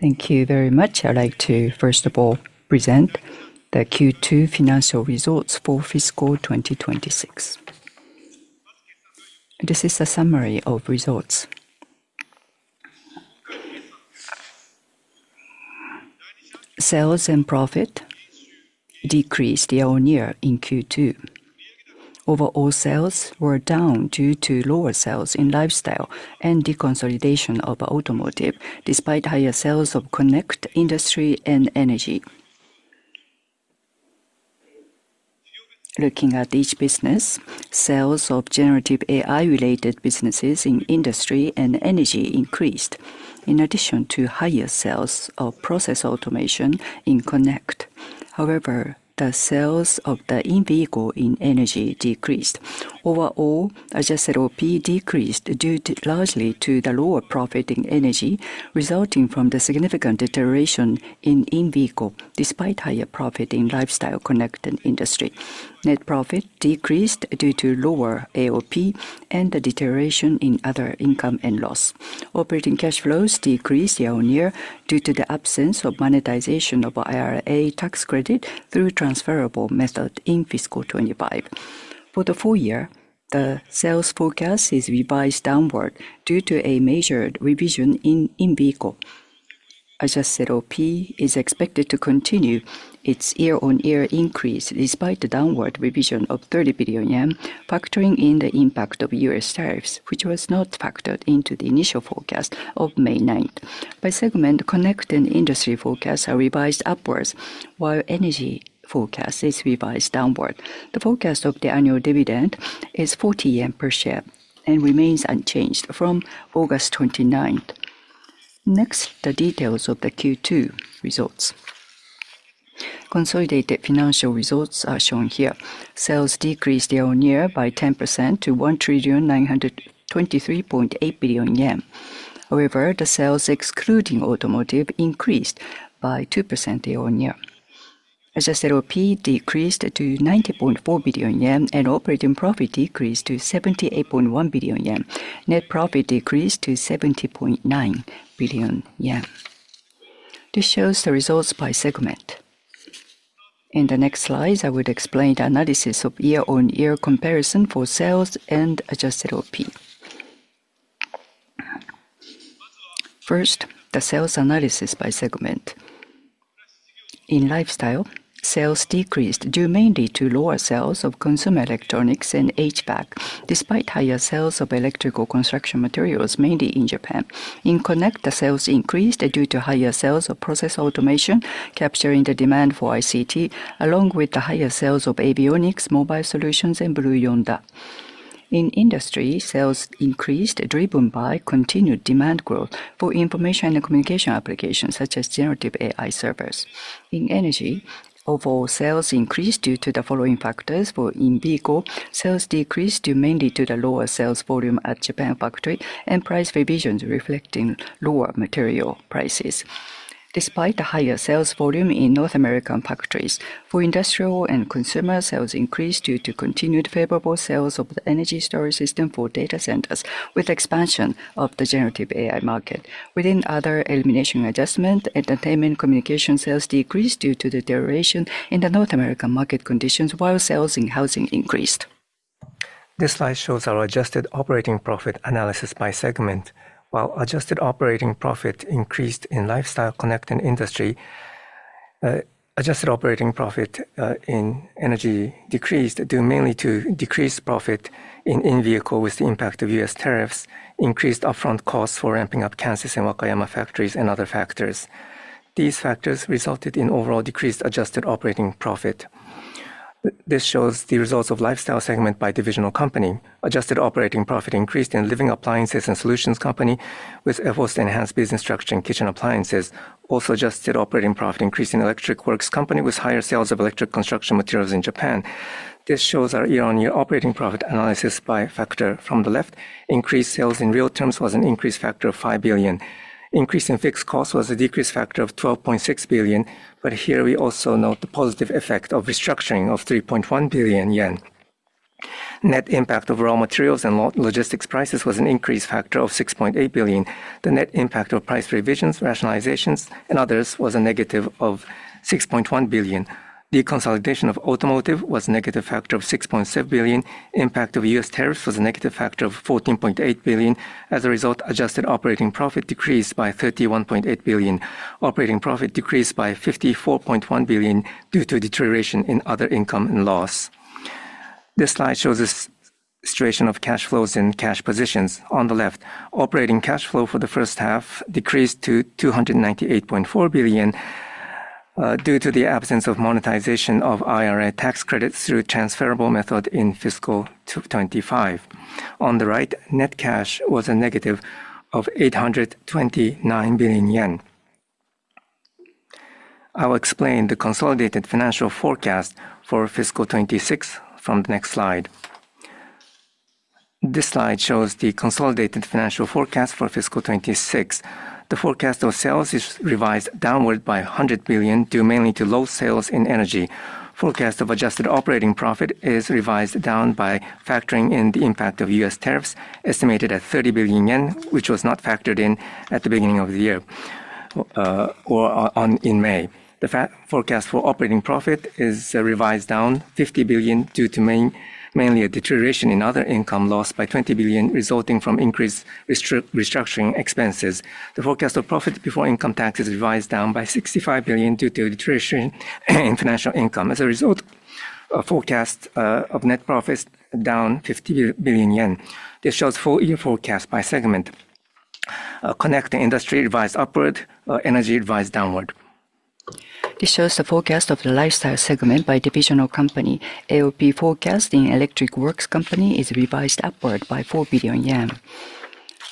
Thank you very much. I'd like to, first of all, present the Q2 financial results for fiscal 2026. This is a summary of results. Sales and profit decreased year-on-year in Q2. Overall sales were down due to lower sales in Lifestyle and deconsolidation of Automotive, despite higher sales of Connect, Industry, and Energy. Looking at each business, sales of generative AI-related products in Industry and Energy increased, in addition to higher sales of process automation in Connect. However, the sales of the in-vehicle in Energy decreased. Overall, adjusted operating profit decreased largely due to the lower profit in Energy, resulting from the significant deterioration in in-vehicle, despite higher profit in Lifestyle, Connect, and Industry. Net profit decreased due to lower adjusted operating profit and the deterioration in other income and loss. Operating cash flows decreased year-on-year due to the absence of monetization of IRA tax credit through transferable method in fiscal 2025. For the full year, the sales forecast is revised downward due to a major revision in in-vehicle. Adjusted operating profit is expected to continue its year-on-year increase, despite the downward revision of 30 billion yen, factoring in the impact of U.S. tariffs, which was not factored into the initial forecast of May 9. By segment, Connect and Industry forecasts are revised upwards, while Energy forecast is revised downward. The forecast of the annual dividend is 40 yen per share and remains unchanged from August 29. Next, the details of the Q2 results. Consolidated financial results are shown here. Sales decreased year-on-year by 10% to 1,923.8 billion yen. However, the sales excluding Automotive increased by 2% year-on-year. Adjusted operating profit decreased to 90.4 billion yen and operating profit decreased to 78.1 billion yen. Net profit decreased to 70.9 billion yen. This shows the results by segment. In the next slides, I will explain the analysis of year-on-year comparison for sales and adjusted operating profit. First, the sales analysis by segment. In Lifestyle, sales decreased due mainly to lower sales of consumer electronics and HVAC, despite higher sales of electrical construction materials, mainly in Japan. In Connect, the sales increased due to higher sales of process automation, capturing the demand for ICT, along with the higher sales of avionics, mobile solutions, and Blue Yonder. In Industry, sales increased driven by continued demand growth for information and communication applications, such as generative AI servers. In Energy, overall sales increased due to the following factors. For in-vehicle, sales decreased mainly due to the lower sales volume at Japan factory and price revisions reflecting lower material prices, despite the higher sales volume in North American factories. For industrial and consumer, sales increased due to continued favorable sales of the energy storage systems for data centers, with expansion of the generative AI market. Within other elimination adjustment, entertainment communication sales decreased due to the deterioration in the North American market conditions, while sales in housing increased. This slide shows our adjusted operating profit analysis by segment. While adjusted operating profit increased in Lifestyle, Connect, and Industry, adjusted operating profit in Energy decreased due mainly to decreased profit in in-vehicle with the impact of U.S. tariffs, increased upfront costs for ramping up Kansas and Wakayama factories, and other factors. These factors resulted in overall decreased adjusted operating profit. This shows the results of Lifestyle segment by divisional company. Adjusted operating profit increased in Living Appliances and Solutions Company, with efforts to enhance business structure in kitchen appliances. Also, adjusted operating profit increased in Electric Works Company, with higher sales of electrical construction materials in Japan. This shows our year-on-year operating profit analysis by factor. From the left, increased sales in real terms was an increased factor of 5 billion. Increase in fixed costs was a decreased factor of 12.6 billion, but here we also note the positive effect of restructuring of 3.1 billion yen. Net impact of raw materials and logistics prices was an increased factor of 6.8 billion. The net impact of price revisions, rationalizations, and others was a negative of 6.1 billion. Deconsolidation of automotive was a negative factor of 6.6 billion. Impact of U.S. tariffs was a negative factor of 14.8 billion. As a result, adjusted operating profit decreased by 31.8 billion. Operating profit decreased by 54.1 billion due to deterioration in other income and loss. This slide shows the situation of cash flows and cash positions. On the left, operating cash flow for the first half decreased to 298.4 billion due to the absence of monetization of IRA tax credits through transferable method in fiscal 2025. On the right, net cash was a negative of 829 billion yen. I will explain the consolidated financial forecast for fiscal 2026 from the next slide. This slide shows the consolidated financial forecast for fiscal 2026. The forecast of sales is revised downward by 100 billion due mainly to low sales in Energy. Forecast of adjusted operating profit is revised down by factoring in the impact of U.S. tariffs, estimated at 30 billion yen, which was not factored in at the beginning of the year or in May. The forecast for operating profit is revised down 50 billion due mainly to a deterioration in other income loss by 20 billion, resulting from increased restructuring expenses. The forecast of profit before income tax is revised down by 65 billion due to a deterioration in financial income. As a result, a forecast of net profit is down 50 billion yen. This shows full-year forecast by segment. Connect and Industry revised upward, Energy revised downward. This shows the forecast of the Lifestyle segment by divisional company. AOP forecast in Electric Works Company is revised upward by 4 billion yen.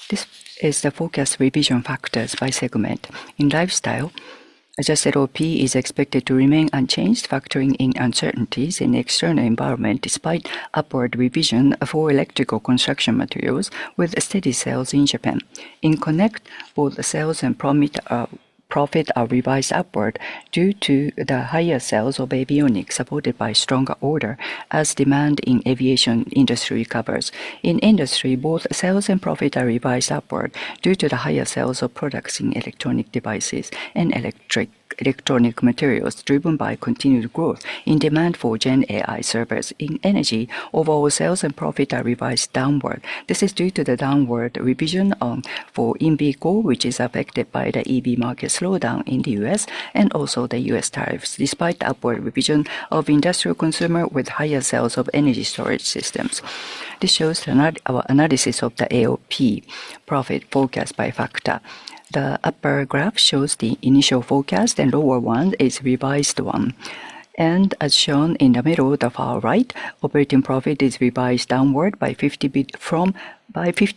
This is the forecast revision factors by segment. In Lifestyle, adjusted OP is expected to remain unchanged, factoring in uncertainties in the external environment, despite upward revision for electrical construction materials, with steady sales in Japan. In Connect, both sales and profit are revised upward due to the higher sales of avionics, supported by stronger order, as demand in aviation industry recovers. In Industry, both sales and profit are revised upward due to the higher sales of products in electronic devices and electronic materials, driven by continued growth in demand for generative AI-related products for servers. In Energy, overall sales and profit are revised downward. This is due to the downward revision for in-vehicle, which is affected by the EV market slowdown in the U.S. and also the U.S. tariffs, despite the upward revision of industrial consumer, with higher sales of energy storage systems. This shows our analysis of the AOP profit forecast by factor. The upper graph shows the initial forecast, and the lower one is the revised one. As shown in the middle of our right, operating profit is revised downward by 50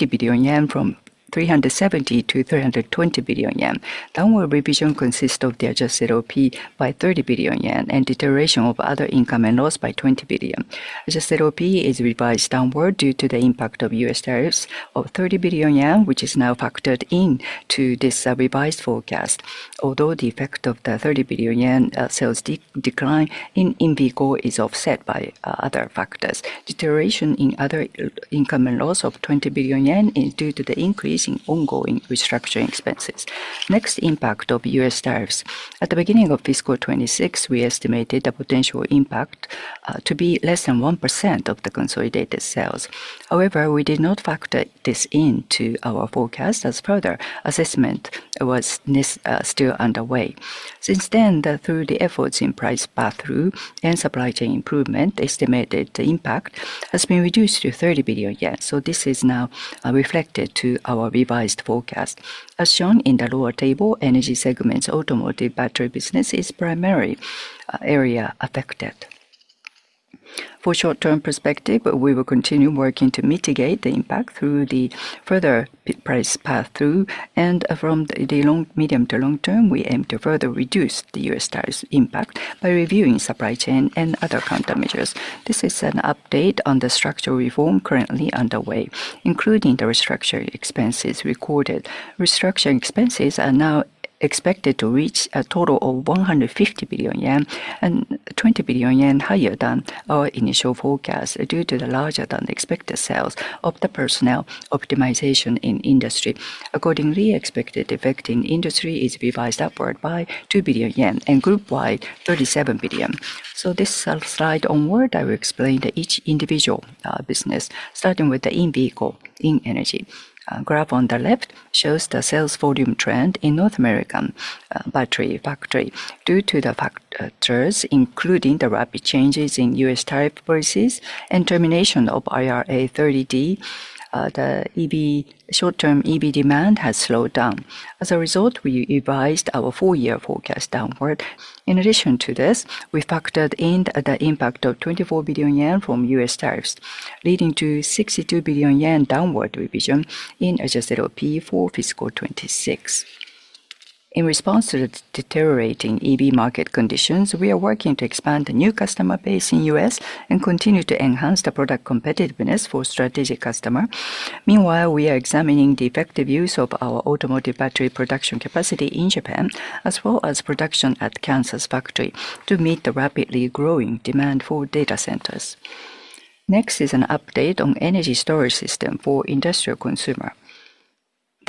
billion yen from 370 billion to 320 billion yen. Downward revision consists of the adjusted OP by 30 billion yen and deterioration of other income and loss by 20 billion. Adjusted OP is revised downward due to the impact of U.S. tariffs of 30 billion yen, which is now factored into this revised forecast. Although the effect of the 30 billion yen sales decline in in-vehicle is offset by other factors, deterioration in other income and loss of 20 billion yen is due to the increase in ongoing restructuring expenses. Next, impact of U.S. tariffs. At the beginning of fiscal 2026, we estimated the potential impact to be less than 1% of the consolidated sales. However, we did not factor this into our forecast, as further assessment was still underway. Since then, through the efforts in price pass-through and supply chain improvement, estimated impact has been reduced to 30 billion yen. This is now reflected in our revised forecast. As shown in the lower table, the energy segment's automotive battery business is the primary area affected. From a short-term perspective, we will continue working to mitigate the impact through further price pass-through. From the medium to long term, we aim to further reduce the U.S. tariff impact by reviewing supply chain and other countermeasures. This is an update on the structural reform currently underway, including the restructuring expenses recorded. Restructuring expenses are now expected to reach a total of 150 billion yen, 20 billion yen higher than our initial forecast due to the larger-than-expected sales of the personnel optimization in industry. Accordingly, expected effect in industry is revised upward by 2 billion yen and group-wide 37 billion. From this slide onward, I will explain each individual business, starting with the in-vehicle, in energy. The graph on the left shows the sales volume trend in North American battery factory. Due to the factors, including the rapid changes in U.S. tariff policies and termination of IRA 30D, the short-term EV demand has slowed down. As a result, we revised our full-year forecast downward. In addition to this, we factored in the impact of 24 billion yen from U.S. tariffs, leading to 62 billion yen downward revision in adjusted operating profit for fiscal 2026. In response to the deteriorating EV market conditions, we are working to expand the new customer base in the U.S. and continue to enhance the product competitiveness for strategic customers. Meanwhile, we are examining the effective use of our automotive battery production capacity in Japan, as well as production at Kansas factory, to meet the rapidly growing demand for data centers. Next is an update on energy storage systems for industrial consumer.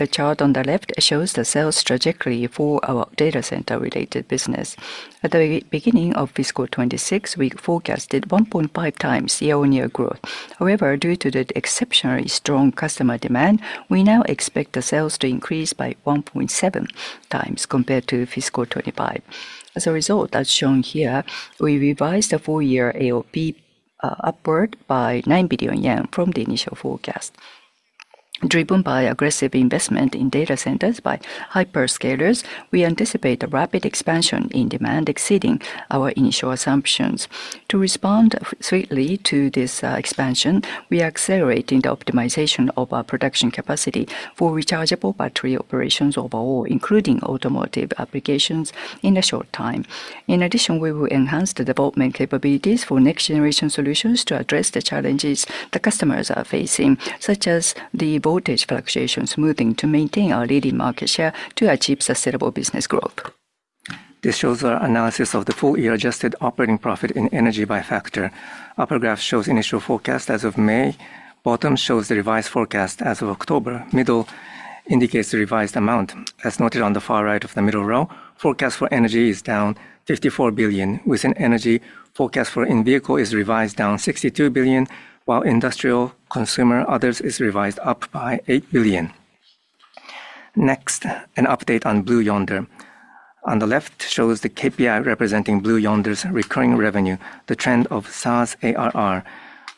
The chart on the left shows the sales trajectory for our data center-related business. At the beginning of fiscal 2026, we forecasted 1.5x year-on-year growth. However, due to the exceptionally strong customer demand, we now expect the sales to increase by 1.7x compared to fiscal 2025. As a result, as shown here, we revised the full-year adjusted operating profit upward by 9 billion yen from the initial forecast. Driven by aggressive investment in data centers by hyperscalers, we anticipate a rapid expansion in demand exceeding our initial assumptions. To respond swiftly to this expansion, we are accelerating the optimization of our production capacity for rechargeable battery operations overall, including automotive applications in the short time. In addition, we will enhance the development capabilities for next-generation solutions to address the challenges the customers are facing, such as the voltage fluctuations smoothing to maintain our leading market share to achieve sustainable business growth. This shows our analysis of the full-year adjusted operating profit in energy by factor. The upper graph shows the initial forecast as of May. The bottom shows the revised forecast as of October. The middle indicates the revised amount. As noted on the far right of the middle row, the forecast for energy is down 54 billion, with an energy forecast for in-vehicle revised down 62 billion, while industrial, consumer, and others is revised up by 8 billion. Next, an update on Blue Yonder. On the left shows the KPI representing Blue Yonder's recurring revenue, the trend of SaaS ARR.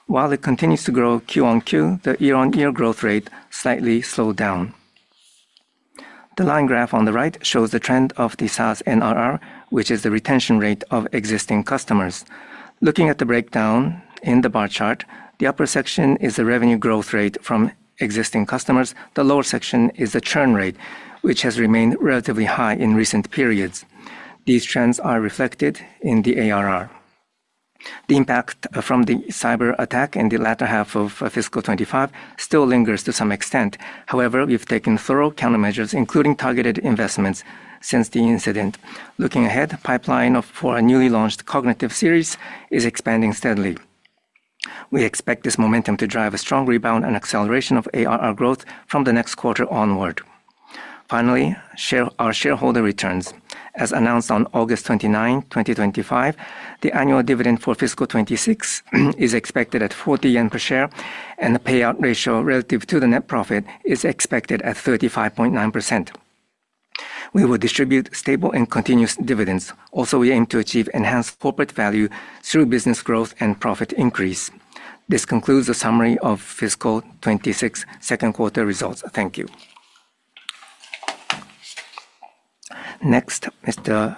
While it continues to grow quarter on quarter, the year-on-year growth rate slightly slowed down. The line graph on the right shows the trend of the SaaS NRR, which is the retention rate of existing customers. Looking at the breakdown in the bar chart, the upper section is the revenue growth rate from existing customers. The lower section is the churn rate, which has remained relatively high in recent periods. These trends are reflected in the ARR. The impact from the cyber attack in the latter half of fiscal 2025 still lingers to some extent. However, we've taken thorough countermeasures, including targeted investments since the incident. Looking ahead, the pipeline for a newly launched cognitive series is expanding steadily. We expect this momentum to drive a strong rebound and acceleration of ARR growth from the next quarter onward. Finally, our shareholder returns. As announced on August 29, 2025, the annual dividend for fiscal 2026 is expected at 40 yen per share, and the payout ratio relative to the net profit is expected at 35.9%. We will distribute stable and continuous dividends. Also, we aim to achieve enhanced corporate value through business growth and profit increase. This concludes the summary of fiscal 2026 second quarter results. Thank you. Next, Mr.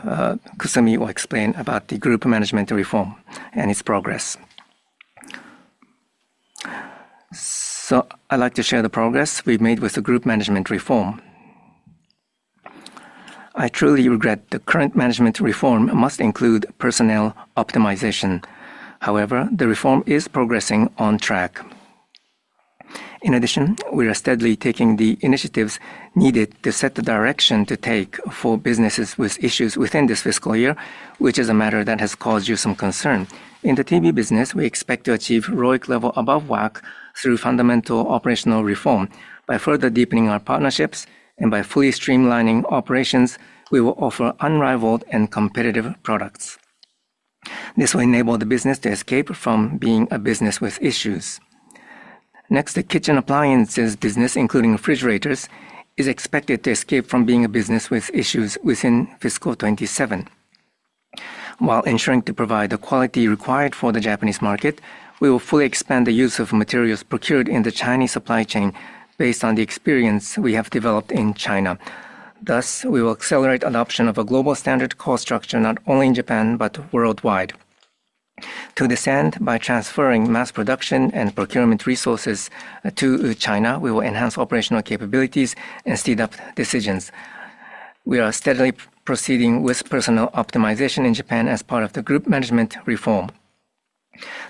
Kusumi will explain about the group management reform and its progress. I'd like to share the progress we've made with the group management reform. I truly regret the current management reform must include personnel optimization. However, the reform is progressing on track. In addition, we are steadily taking the initiatives needed to set the direction to take for businesses with issues within this fiscal year, which is a matter that has caused you some concern. In the TV business, we expect to achieve ROIC level above WACC through fundamental operational reform. By further deepening our partnerships and by fully streamlining operations, we will offer unrivaled and competitive products. This will enable the business to escape from being a business with issues. Next, the kitchen appliances business, including refrigerators, is expected to escape from being a business with issues within fiscal 2027. While ensuring to provide the quality required for the Japanese market, we will fully expand the use of materials procured in the Chinese supply chain based on the experience we have developed in China. Thus, we will accelerate adoption of a global standard cost structure not only in Japan but worldwide. To this end, by transferring mass production and procurement resources to China, we will enhance operational capabilities and speed up decisions. We are steadily proceeding with personnel optimization in Japan as part of the group management reform.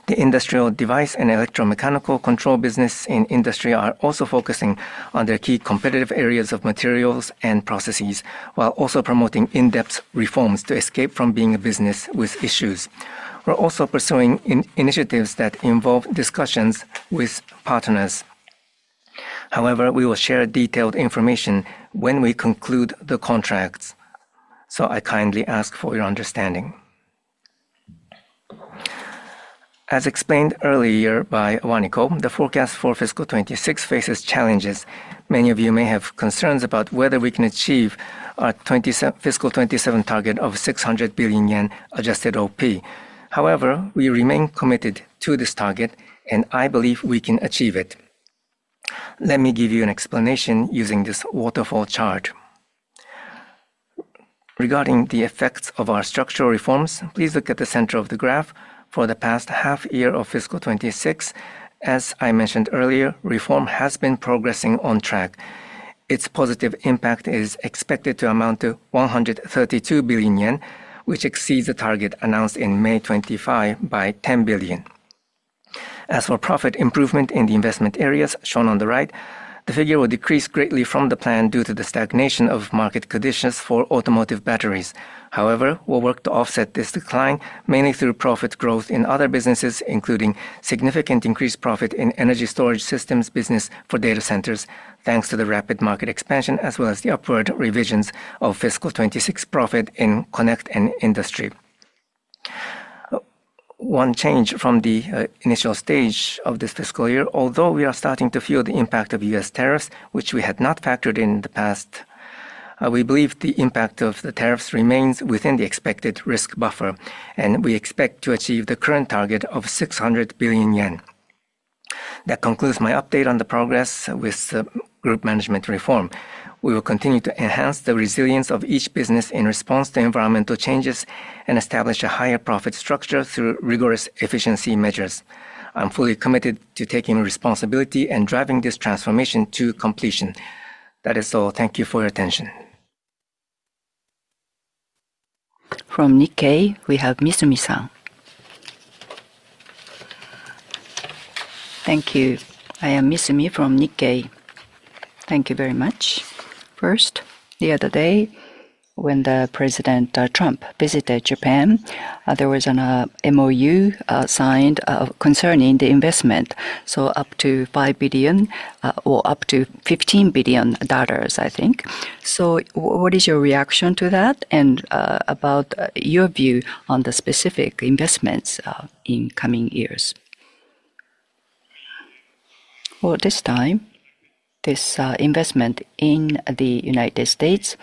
The industrial device and electromechanical control business in industry are also focusing on their key competitive areas of materials and processes, while also promoting in-depth reforms to escape from being a business with issues. We're also pursuing initiatives that involve discussions with partners. We will share detailed information when we conclude the contracts. I kindly ask for your understanding. As explained earlier by Akira Waniko, the forecast for fiscal 2026 faces challenges. Many of you may have concerns about whether we can achieve our fiscal 2027 target of 600 billion yen adjusted operating profit. However, we remain committed to this target, and I believe we can achieve it. Let me give you an explanation using this waterfall chart. Regarding the effects of our structural reforms, please look at the center of the graph for the past half year of fiscal 2026. As I mentioned earlier, reform has been progressing on track. Its positive impact is expected to amount to 132 billion yen, which exceeds the target announced in May 2025 by 10 billion. As for profit improvement in the investment areas shown on the right, the figure will decrease greatly from the plan due to the stagnation of market conditions for automotive batteries. However, we'll work to offset this decline, mainly through profit growth in other businesses, including significant increased profit in energy storage systems business for data centers, thanks to the rapid market expansion, as well as the upward revisions of fiscal 2026 profit in connect and industry. One change from the initial stage of this fiscal year, although we are starting to feel the impact of U.S. tariffs, which we had not factored in the past. We believe the impact of the tariffs remains within the expected risk buffer, and we expect to achieve the current target of 600 billion yen. That concludes my update on the progress with the group management reform. We will continue to enhance the resilience of each business in response to environmental changes and establish a higher profit structure through rigorous efficiency measures. I'm fully committed to taking responsibility and driving this transformation to completion. That is all. Thank you for your attention. From Nikkei, we have Mitsumi-san. Thank you. I am Mitsumi from Nikkei. Thank you very much. First, the other day, when President Trump visited Japan, there was an MOU signed concerning the investment, so up to $5 billion or up to $15 billion, I think. What is your reaction to that and about your view on the specific investments in coming years? This time, this investment in the United States,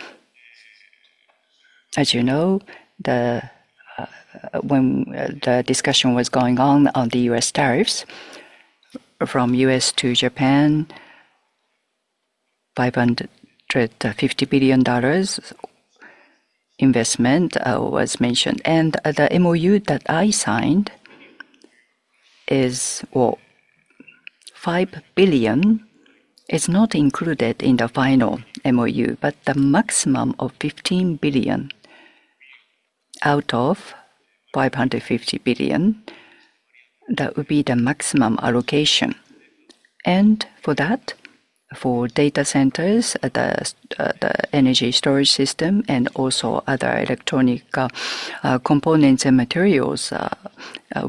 as you know, when the discussion was going on on the U.S. tariffs. From U.S. to Japan, $550 billion investment was mentioned. The MOU that I signed is $5 billion. It is not included in the final MOU, but the maximum of $15 billion out of $550 billion. That would be the maximum allocation. For that, for data centers, the energy storage system, and also other electronic components and materials,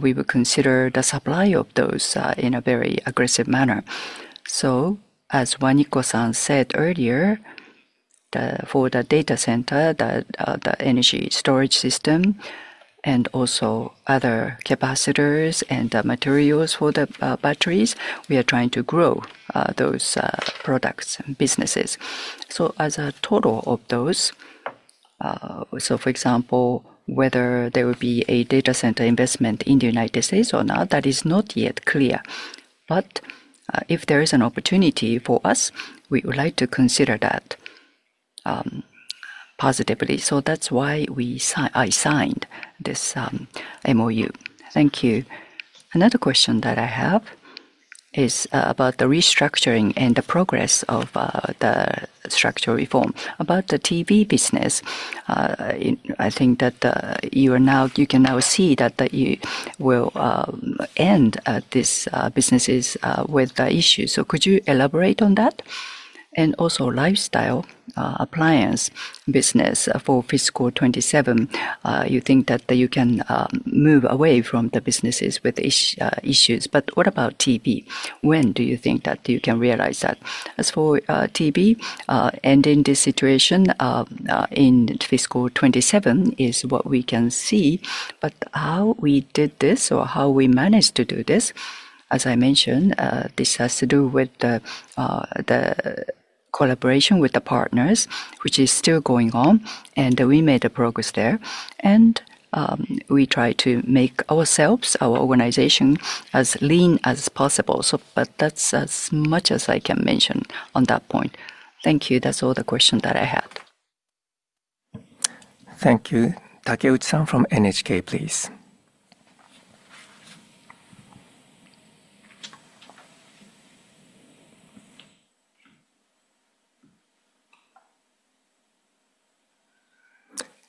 we will consider the supply of those in a very aggressive manner. As Akira Waniko said earlier, for the data center, the energy storage system, and also other capacitors and materials for the batteries, we are trying to grow those products and businesses. As a total of those, for example, whether there will be a data center investment in the U.S. or not, that is not yet clear. If there is an opportunity for us, we would like to consider that positively. That is why I signed this MOU. Thank you. Another question that I have is about the restructuring and the progress of the structural reform. About the TV business, I think that you can now see that you will end these businesses with the issues. Could you elaborate on that? Also, for the lifestyle appliance business for fiscal 2027, you think that you can move away from the businesses with issues. What about TV? When do you think that you can realize that? As for TV, ending this situation in fiscal 2027 is what we can see. How we did this or how we managed to do this, as I mentioned, this has to do with the collaboration with the partners, which is still going on, and we made progress there. We try to make ourselves, our organization, as lean as possible. That is as much as I can mention on that point. Thank you. That is all the questions that I had. Thank you. Takeuchi-san from NHK, please.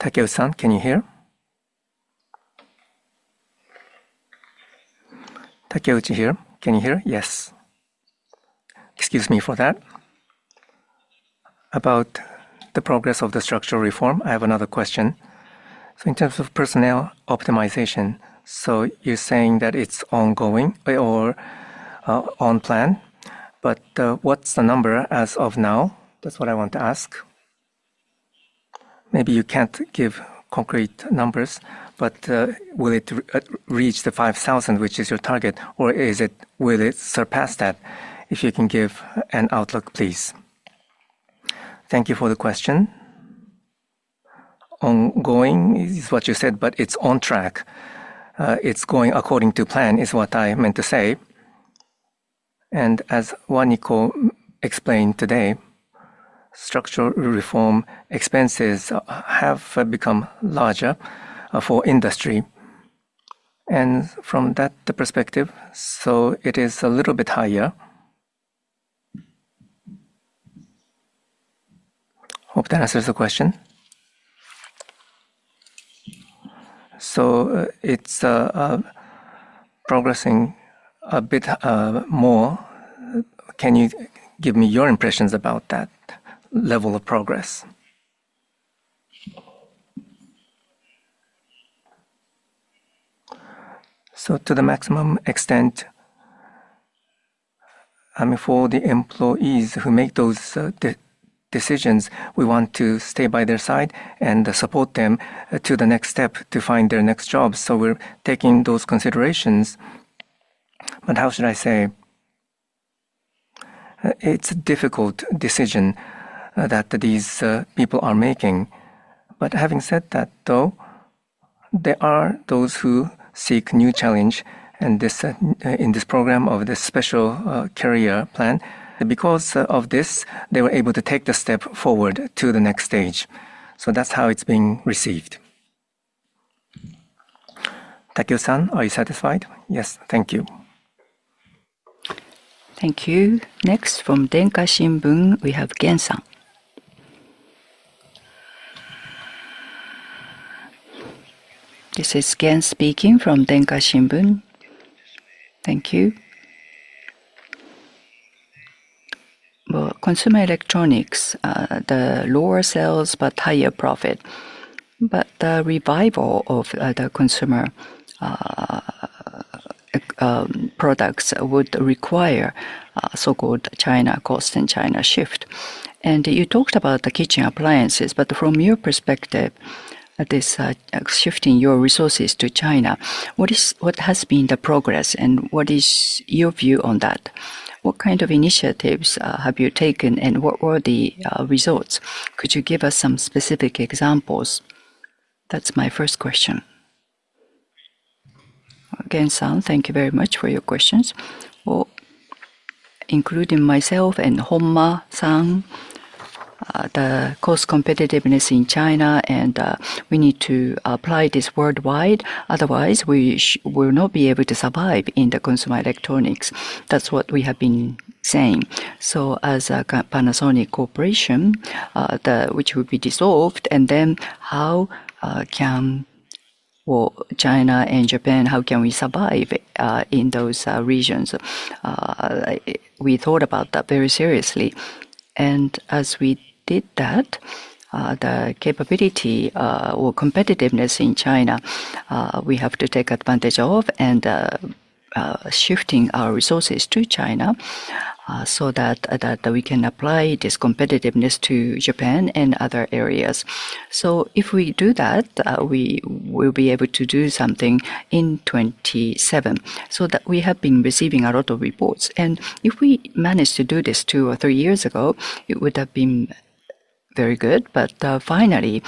Takeuchi-san, can you hear? Takeuchi here. Can you hear? Yes. Excuse me for that. About the progress of the structural reform, I have another question. In terms of personnel optimization, you are saying that it is ongoing or on plan, but what is the number as of now? That is what I want to ask. Maybe you cannot give concrete numbers, but will it reach the 5,000, which is your target, or will it surpass that? If you can give an outlook, please. Thank you for the question. Ongoing is what you said, but it is on track. It is going according to plan is what I meant to say. As Akira Waniko explained today, structural reform expenses have become larger for industry. From that perspective, it is a little bit higher. Hope that answers the question. It is progressing a bit more. Can you give me your impressions about that level of progress? To the maximum extent, for the employees who make those decisions, we want to stay by their side and support them to the next step to find their next jobs. We are taking those considerations. How should I say? It is a difficult decision that these people are making. But having said that, there are those who seek new challenges in this program of this special career plan. Because of this, they were able to take the step forward to the next stage. That's how it's being received. Takeuchi-san, are you satisfied? Yes. Thank you. Thank you. Next, from Yomiuri Shimbun, we have Gen-san. This is Gen speaking from Yomiuri Shimbun. Thank you. Consumer electronics, the lower sales but higher profit. The revival of the consumer products would require so-called China cost and China shift. You talked about the kitchen appliances, but from your perspective, this shifting your resources to China, what has been the progress and what is your view on that? What kind of initiatives have you taken and what were the results? Could you give us some specific examples? That's my first question. Gen-san, thank you very much for your questions. Including myself and Homma-san, the cost competitiveness in China, and we need to apply this worldwide. Otherwise, we will not be able to survive in the consumer electronics. That's what we have been saying. As a Panasonic Holdings Corporation, which will be dissolved, and then how can China and Japan, how can we survive in those regions? We thought about that very seriously. As we did that, the capability or competitiveness in China, we have to take advantage of and shifting our resources to China so that we can apply this competitiveness to Japan and other areas. If we do that, we will be able to do something in 2027. We have been receiving a lot of reports. If we managed to do this two or three years ago, it would have been very good. Finally,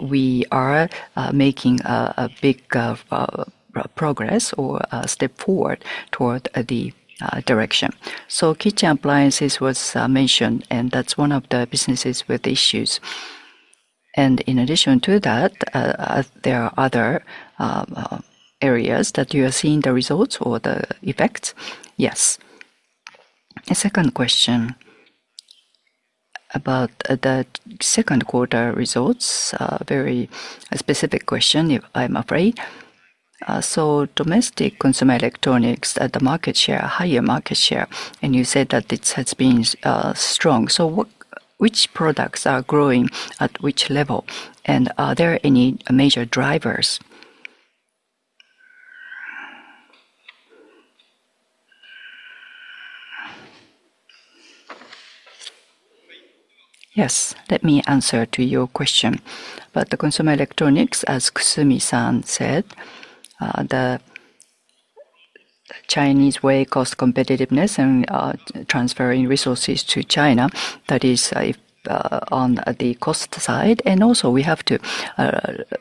we are making a big progress or a step forward toward the direction. Kitchen appliances was mentioned, and that's one of the businesses with issues. In addition to that, are there other areas that you are seeing the results or the effects? Yes. A second question about the second quarter results, very specific question, I'm afraid. Domestic consumer electronics at the market share, higher market share, and you said that this has been strong. Which products are growing at which level? Are there any major drivers? Yes. Let me answer to your question. The consumer electronics, as Kusumi-san said, the Chinese way cost competitiveness and transferring resources to China, that is on the cost side. Also, we have to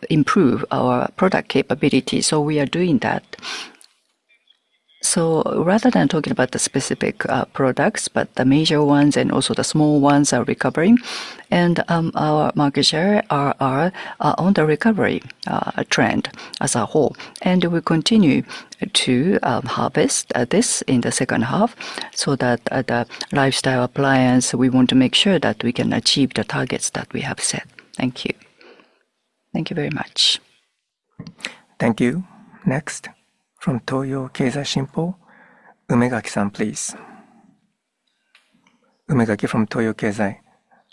improve our product capability. We are doing that. Rather than talking about the specific products, the major ones and also the small ones are recovering, and our market share is on the recovery trend as a whole. We continue to harvest this in the second half so that the lifestyle appliance, we want to make sure that we can achieve the targets that we have set. Thank you. Thank you very much. Thank you. Next, from Toyo Keizai, Umegaki-san, please. Umegaki from Toyo Keizai.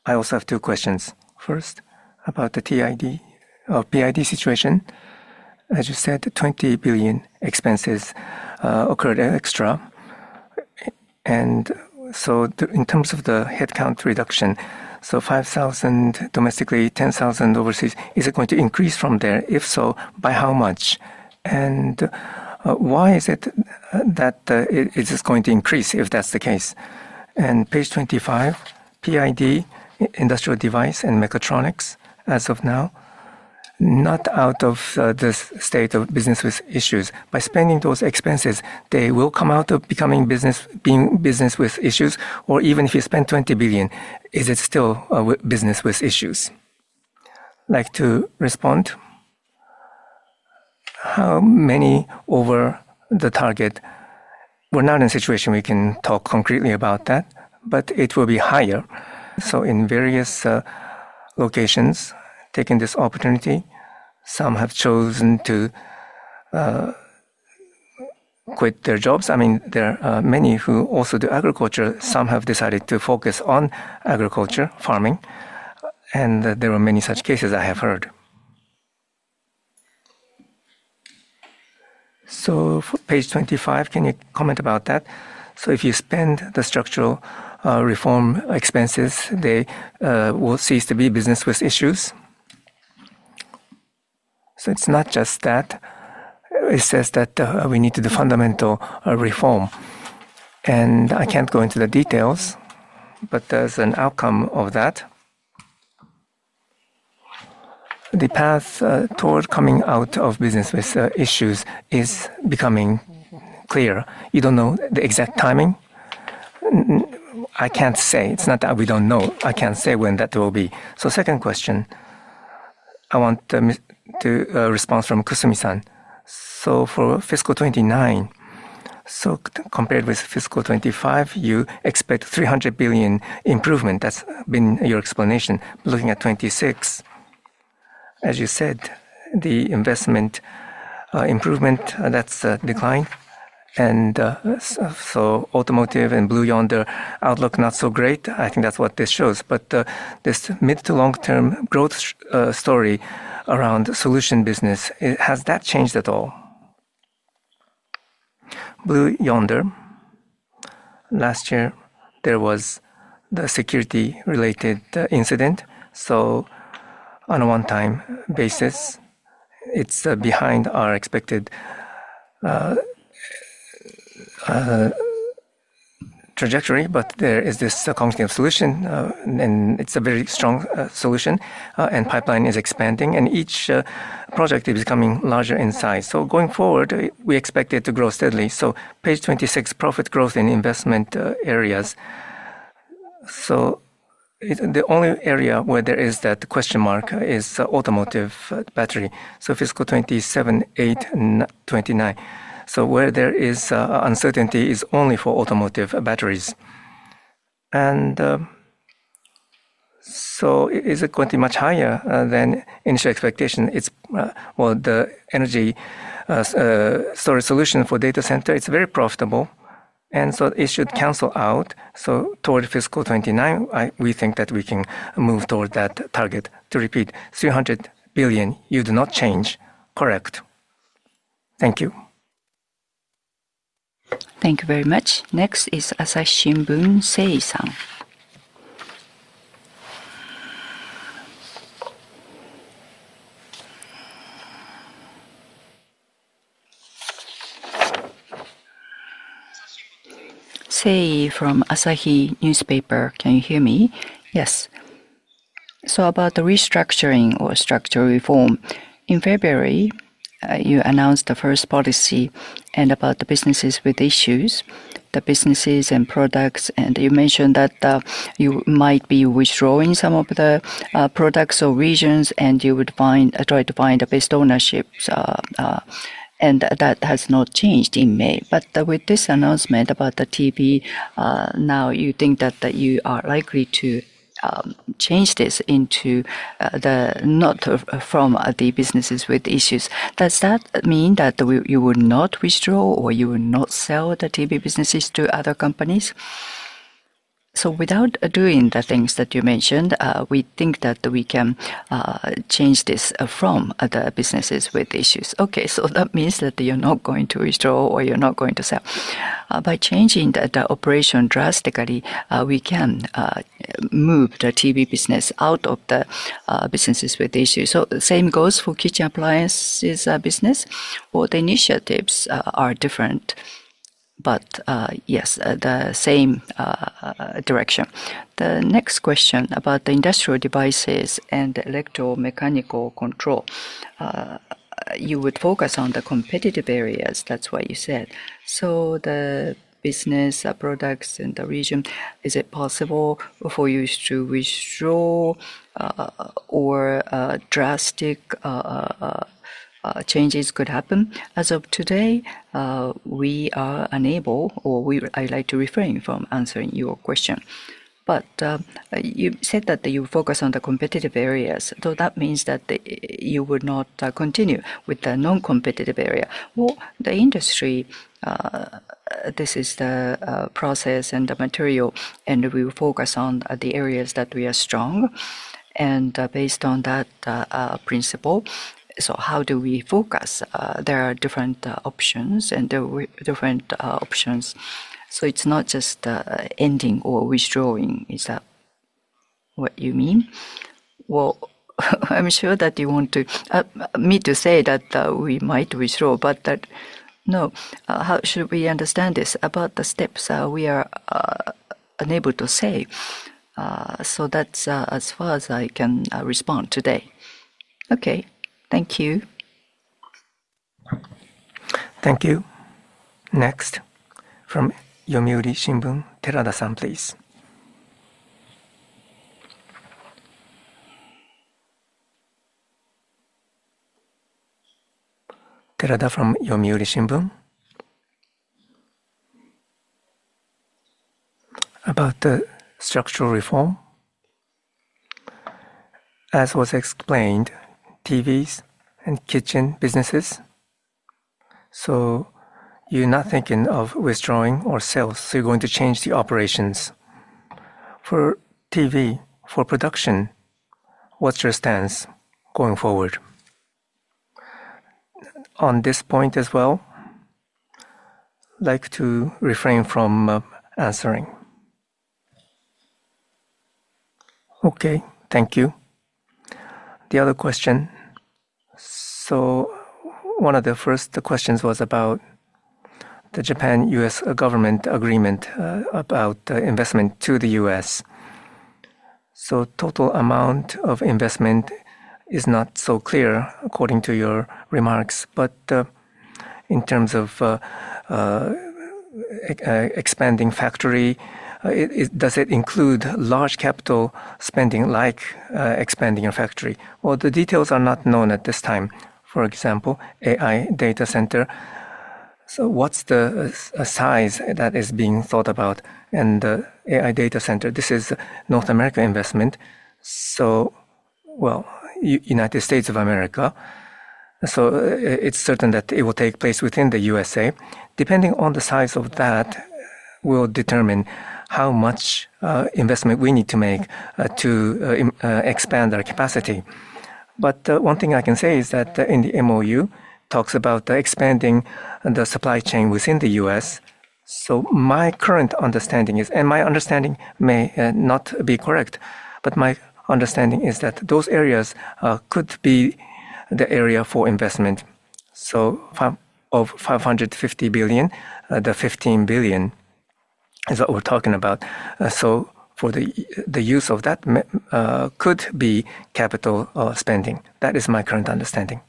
I also have two questions. First, about the PID situation. As you said, 20 billion expenses occurred extra. In terms of the headcount reduction, 5,000 domestically, 10,000 overseas, is it going to increase from there? If so, by how much? Why is it that it is going to increase if that's the case? Page 25, PID, industrial device and mechatronics, as of now, not out of the state of business with issues. By spending those expenses, will they come out of becoming business with issues, or even if you spend 20 billion, is it still business with issues? Like to respond? How many over the target? We're not in a situation we can talk concretely about that, but it will be higher. In various locations, taking this opportunity, some have chosen to quit their jobs. There are many who also do agriculture. Some have decided to focus on agriculture, farming. There are many such cases I have heard. Page 25, can you comment about that? If you spend the structural reform expenses, there will cease to be business with issues. It's not just that. It says that we need to do fundamental reform. I can't go into the details, but as an outcome of that, the path toward coming out of business with issues is becoming clear. You don't know the exact timing. I can't say. It's not that we don't know. I can't say when that will be. Second question. I want to respond from Kusumi-san. For fiscal 2029, compared with fiscal 2025, you expect 300 billion improvement. That's been your explanation. Looking at 2026, as you said, the investment improvement, that's declined. Automotive and Blue Yonder, outlook not so great. I think that's what this shows. This mid to long-term growth story around solution business, has that changed at all? Blue Yonder, last year, there was the security-related incident. On a one-time basis, it's behind our expected. Trajectory, but there is this company of solution, and it's a very strong solution, and pipeline is expanding, and each project is becoming larger in size. Going forward, we expect it to grow steadily. Page 26, profit growth in investment areas. The only area where there is that question mark is automotive battery. Fiscal 2027, 2028, and 2029. Where there is uncertainty is only for automotive batteries. Is it going to be much higher than initial expectation? The energy storage solution for data center, it's very profitable, and it should cancel out. Toward fiscal 2029, we think that we can move toward that target. To repeat, 300 billion, you do not change. Correct. Thank you. Thank you very much. Next is Asahi Shimbun, Sei-san. Seiyi from Asahi Shimbun Can you hear me? Yes. About the restructuring or structural reform. In February, you announced the first policy and about the businesses with issues, the businesses and products, and you mentioned that you might be withdrawing some of the products or regions, and you would try to find the best ownership. That has not changed in May. With this announcement about the TV, now, you think that you are likely to change this into not from the businesses with issues. Does that mean that you will not withdraw or you will not sell the TV businesses to other companies? Without doing the things that you mentioned, we think that we can change this from the businesses with issues. Okay. That means that you're not going to withdraw or you're not going to sell. By changing the operation drastically, we can move the TV business out of the businesses with issues. Same goes for kitchen appliances business, or the initiatives are different, but yes, the same direction. The next question about the industrial devices and electromechanical control. You would focus on the competitive areas. That's what you said. The business products and the region, is it possible for you to withdraw or drastic changes could happen? As of today, we are unable, or I'd like to refrain from answering your question. You said that you focus on the competitive areas. That means that you would not continue with the non-competitive area. The industry, this is the process and the material, and we will focus on the areas that we are strong. Based on that principle, how do we focus? There are different options and different options. It's not just ending or withdrawing. Is that what you mean? I'm sure that you want me to say that we might withdraw, but no. How should we understand this? About the steps, we are unable to say. That's as far as I can respond today. Thank you. Next, from Yomiuri Shimbun, Terada-san, please. Terada from Yomiuri Shimbun. About the structural reform, as was explained, TVs and kitchen businesses. You're not thinking of withdrawing or sales, so you're going to change the operations. For TV, for production, what's your stance going forward? On this point as well, I'd like to refrain from answering. Thank you. The other question, one of the first questions was about the Japan-U.S. government agreement about investment to the U.S. The total amount of investment is not so clear according to your remarks. In terms of expanding factory, does it include large capital spending like expanding a factory? The details are not known at this time. For example, AI data center, what's the size that is being thought about? The AI data center, this is North America investment, so United States of America. It's certain that it will take place within the U.S.A. Depending on the size of that will determine how much investment we need to make to expand our capacity. One thing I can say is that in the MOU, it talks about expanding the supply chain within the U.S. My current understanding is, and my understanding may not be correct, but my understanding is that those areas could be the area for investment. Of 550 billion, the 15 billion is what we're talking about. For the use of that, could be capital spending. That is my current understanding.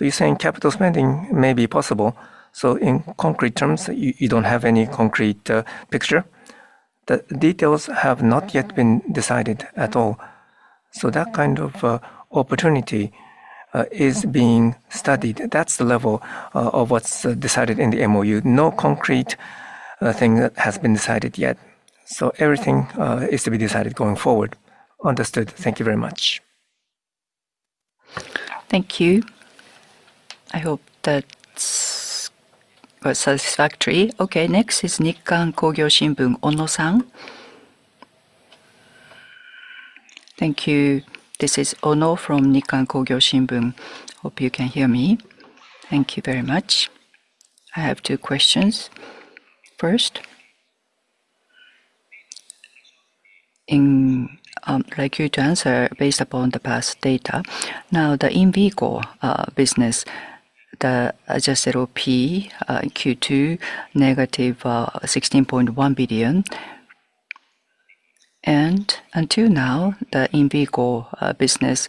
You're saying capital spending may be possible. In concrete terms, you don't have any concrete picture. The details have not yet been decided at all. That kind of opportunity is being studied. That's the level of what's decided in the MOU. No concrete thing has been decided yet. Everything is to be decided going forward. Understood. Thank you very much. I hope that's satisfactory. Next is Nikkan Kogyo Shimbun, Ono-san. Thank you. This is Ono from Nikkan Kogyo Shimbun. Hope you can hear me. Thank you very much. I have two questions. First, I'd like you to answer based upon the past data. Now, the in-vehicle business, the adjusted OP Q2, -16.1 billion. Until now, the in-vehicle business,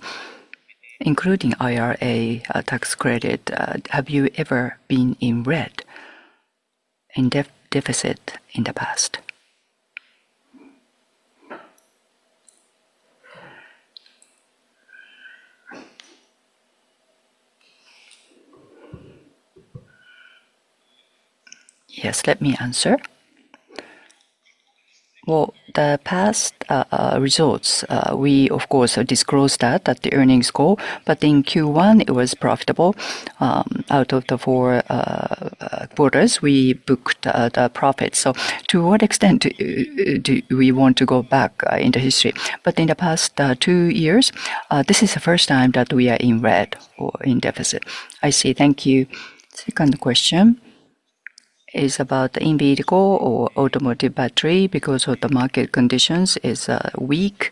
including IRA tax credit, have you ever been in red and deficit in the past? Yes. Let me answer. The past results, we, of course, disclosed that, that the earnings goal. In Q1, it was profitable. Out of the four quarters, we booked the profits. To what extent do we want to go back in the history? In the past two years, this is the first time that we are in red or in deficit. I see. Thank you. Second question is about the in-vehicle or automotive battery because the market conditions are weak.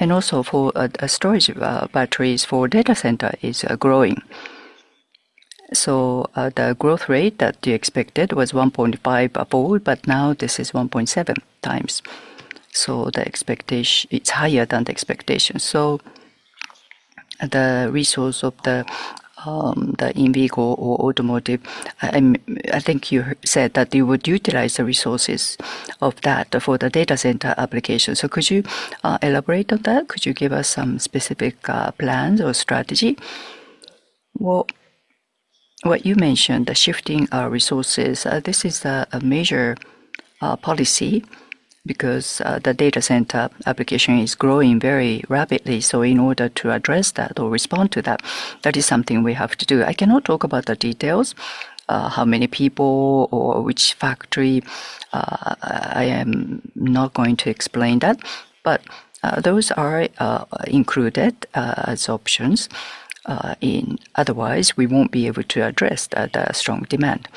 Also, for storage batteries for data centers, it is growing. The growth rate that you expected was 1.5 fold, but now this is 1.7x. The expectation is higher than the expectation. The resource of the in-vehicle or automotive, I think you said that you would utilize the resources of that for the data center application. Could you elaborate on that? Could you give us some specific plans or strategy? What you mentioned, the shifting resources, this is a major policy because the data center application is growing very rapidly. In order to address that or respond to that, that is something we have to do. I cannot talk about the details, how many people or which factory. I am not going to explain that. Those are included as options. Otherwise, we won't be able to address the strong demand.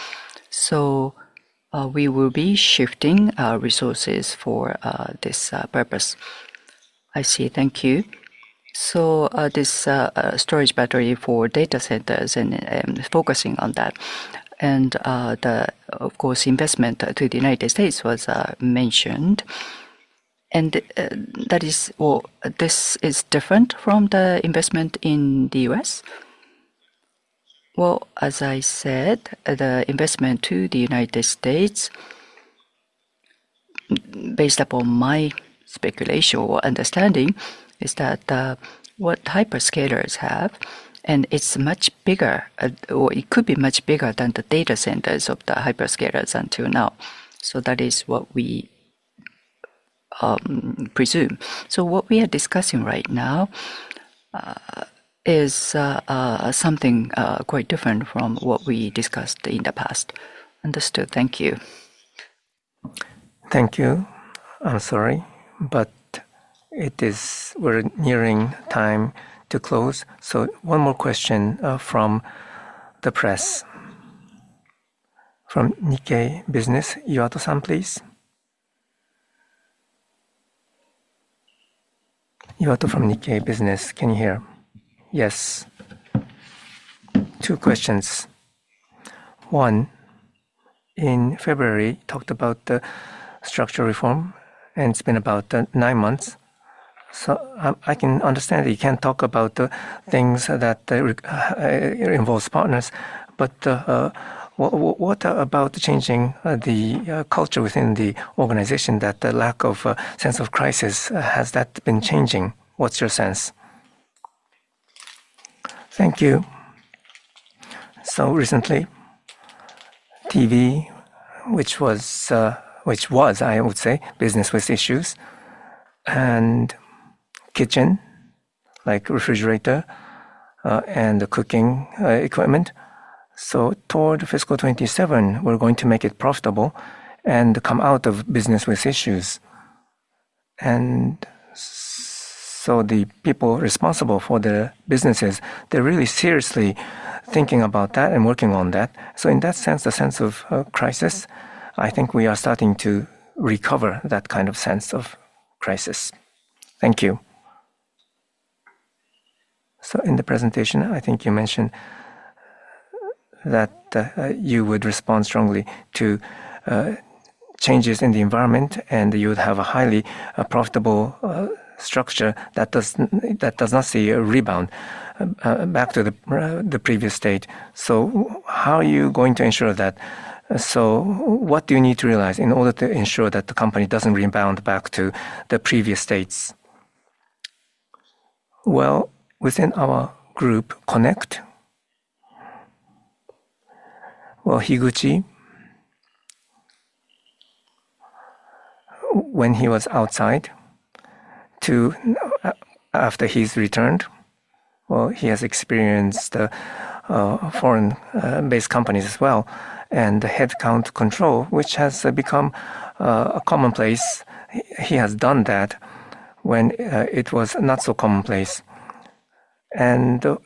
We will be shifting resources for this purpose. I see. Thank you. This storage battery for data centers and focusing on that. Of course, investment to the United States was mentioned. That is, this is different from the investment in the U.S.? As I said, the investment to the United States, based upon my speculation or understanding, is that what hyperscalers have, and it's much bigger, or it could be much bigger than the data centers of the hyperscalers until now. That is what we presume. What we are discussing right now is something quite different from what we discussed in the past. Understood. Thank you. Thank you. I'm sorry, but it is we're nearing time to close. One more question from the press. From Nikkei Business. Iwato-san, please. Iwato from Nikkei Business. Can you hear? Yes. Two questions. One. In February, talked about the structural reform, and it's been about nine months. I can understand that you can't talk about things that involve partners. What about changing the culture within the organization? That lack of sense of crisis, has that been changing? What's your sense? Thank you. Recently, TV, which was, I would say, business with issues. Kitchen, like refrigerator and the cooking equipment. Toward fiscal 2027, we're going to make it profitable and come out of businesses with issues. The people responsible for the businesses, they're really seriously thinking about that and working on that. In that sense, the sense of crisis, I think we are starting to recover that kind of sense of crisis. Thank you. In the presentation, I think you mentioned that you would respond strongly to changes in the environment, and you would have a highly profitable structure that does not see a rebound back to the previous state. How are you going to ensure that? What do you need to realize in order to ensure that the company doesn't rebound back to the previous states? Within our group, Connect. Higuchi, when he was outside, after he's returned, he has experienced foreign-based companies as well, and headcount control, which has become commonplace. He has done that when it was not so commonplace. The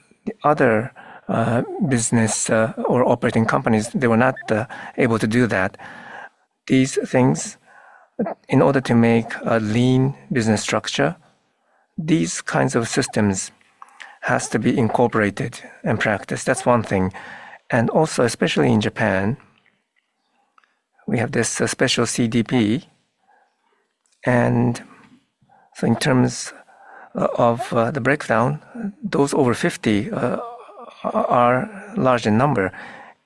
other business or operating companies, they were not able to do that. These things, in order to make a lean business structure, these kinds of systems have to be incorporated and practiced. That's one thing. Also, especially in Japan, we have this special CDP. In terms of the breakdown, those over 50 are large in number.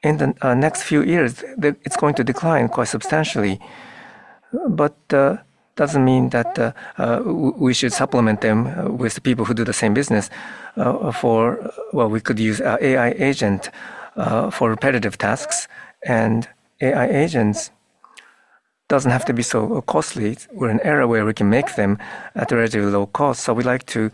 In the next few years, it's going to decline quite substantially. It doesn't mean that we should supplement them with people who do the same business. We could use an AI agent for repetitive tasks. AI agents don't have to be so costly. We're in an era where we can make them at a relatively low cost. We'd like to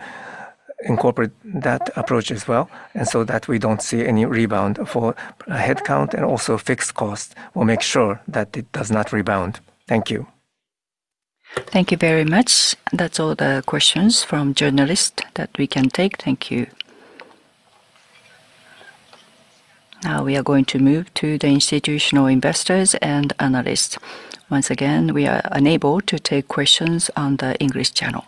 incorporate that approach as well, so that we don't see any rebound for headcount and also fixed costs. We'll make sure that it does not rebound. Thank you. Thank you very much. That's all the questions from journalists that we can take. Thank you. Now we are going to move to the institutional investors and analysts. Once again, we are unable to take questions on the English channel.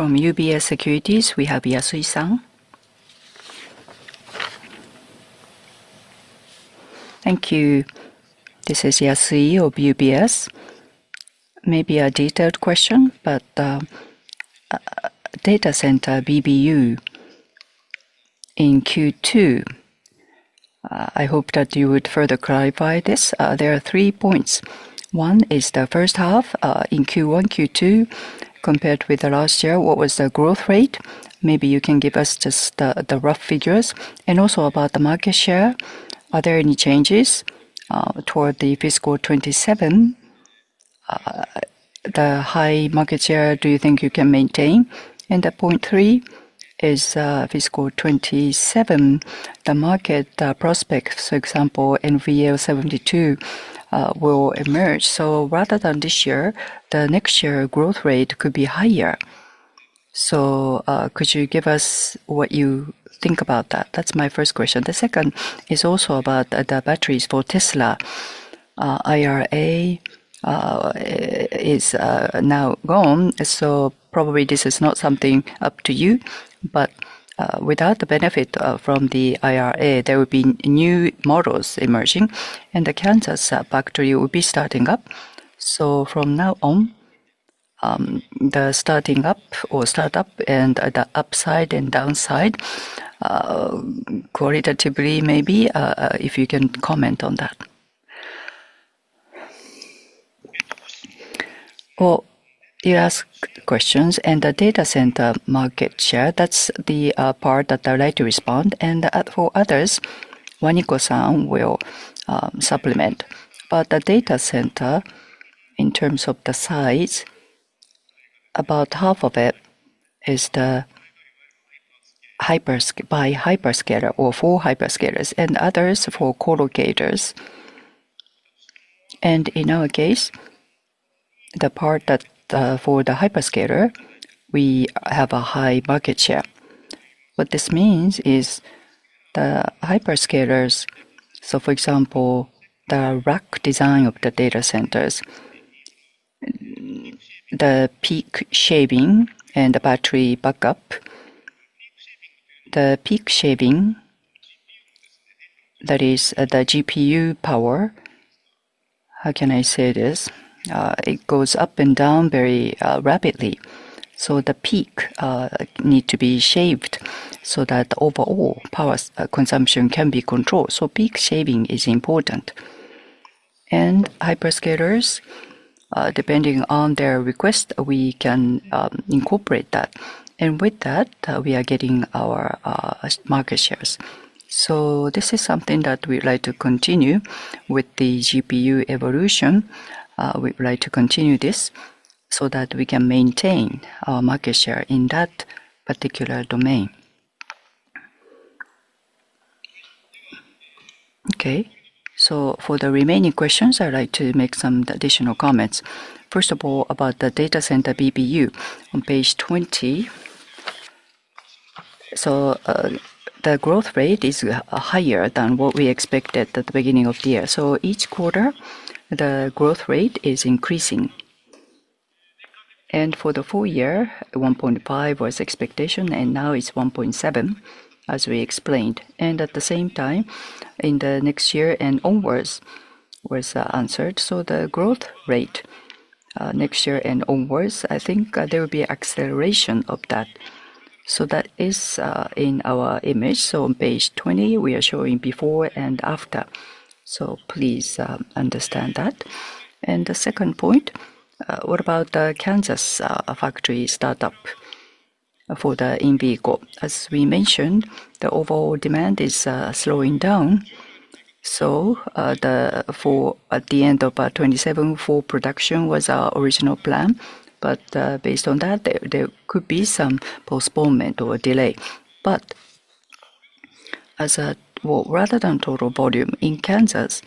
From UBS Securities, we have Yasui-san. Thank you. This is Yasui of UBS. Maybe a detailed question, but data center BBU. In Q2, I hope that you would further clarify this. There are three points. One is the first half in Q1, Q2, compared with last year, what was the growth rate? Maybe you can give us just the rough figures. Also about the market share, are there any changes toward fiscal 2027? The high market share, do you think you can maintain? The point three is fiscal 2027, the market prospects, for example, NVL72 will emerge. Rather than this year, the next year growth rate could be higher. Could you give us what you think about that? That's my first question. The second is also about the batteries for Tesla. IRA is now gone. Probably this is not something up to you, but without the benefit from the IRA, there will be new models emerging. The Kansas factory will be starting up. From now on, the starting up or startup and the upside and downside, qualitatively, maybe, if you can comment on that. You asked questions and the data center market share, that's the part that I'd like to respond. For others, Waniko-san will supplement. The data center, in terms of the size, about half of it is by hyperscaler or for hyperscalers and others for colocators. In our case, the part that for the hyperscaler, we have a high market share. What this means is the hyperscalers, so for example, the rack design of the data centers, the peak shaving and the battery backup. The peak shaving, that is the GPU power. How can I say this? It goes up and down very rapidly. The peak needs to be shaved so that overall power consumption can be controlled. Peak shaving is important. Hyperscalers, depending on their request, we can incorporate that. With that, we are getting our market shares. This is something that we'd like to continue with the GPU evolution. We'd like to continue this so that we can maintain our market share in that particular domain. For the remaining questions, I'd like to make some additional comments. First of all, about the data center BBU on page 20. The growth rate is higher than what we expected at the beginning of the year. Each quarter, the growth rate is increasing. For the full year, 1.5 was expectation, and now it's 1.7, as we explained. At the same time, in the next year and onwards was answered. The growth rate next year and onwards, I think there will be an acceleration of that. That is in our image. On page 20, we are showing before and after. Please understand that. The second point, what about the Kansas factory startup. For the in-vehicle, as we mentioned, the overall demand is slowing down. At the end of 2027, full production was our original plan. Based on that, there could be some postponement or delay. Rather than total volume, in Kansas,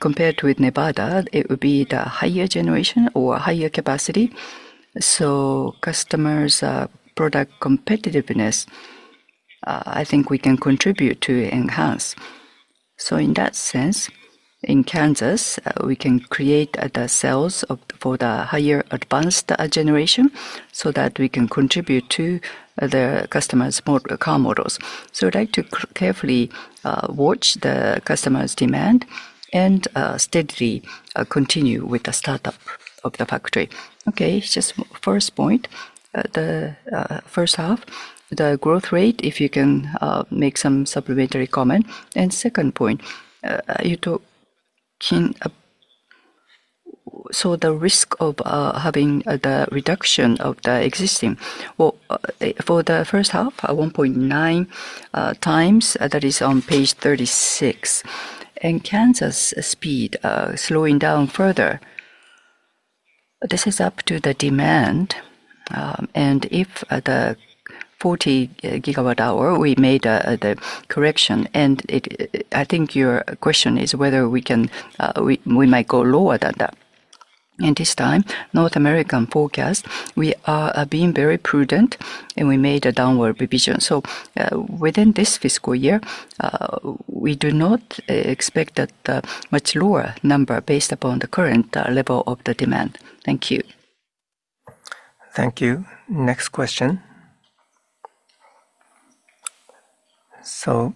compared with Nevada, it would be the higher generation or higher capacity. Customers' product competitiveness, I think we can contribute to enhance. In that sense, in Kansas, we can create the cells for the higher advanced generation so that we can contribute to the customers' car models. I'd like to carefully watch the customers' demand and steadily continue with the startup of the factory. Okay, just first point. The first half, the growth rate, if you can make some supplementary comment. Second point, the risk of having the reduction of the existing. For the first half, 1.9x, that is on page 36. Kansas speed slowing down further, this is up to the demand. If the 40 GWh, we made the correction. I think your question is whether we might go lower than that. This time, North American forecast, we are being very prudent, and we made a downward revision. Within this fiscal year, we do not expect a much lower number based upon the current level of the demand. Thank you. Thank you. Next question,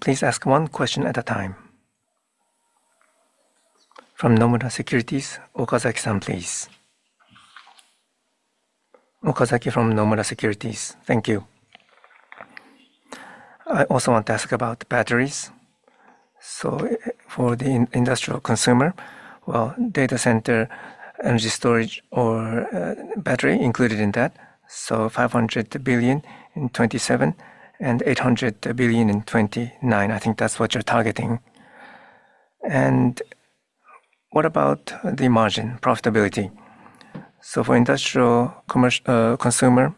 please ask one question at a time. From Nomura Securities, Okazaki-san, please. Okazaki from Nomura Securities, thank you. I also want to ask about batteries. For the industrial consumer, data center, energy storage, or battery included in that, 500 billion in 2027 and 800 billion in 2029, I think that's what you're targeting. What about the margin profitability? For industrial consumer,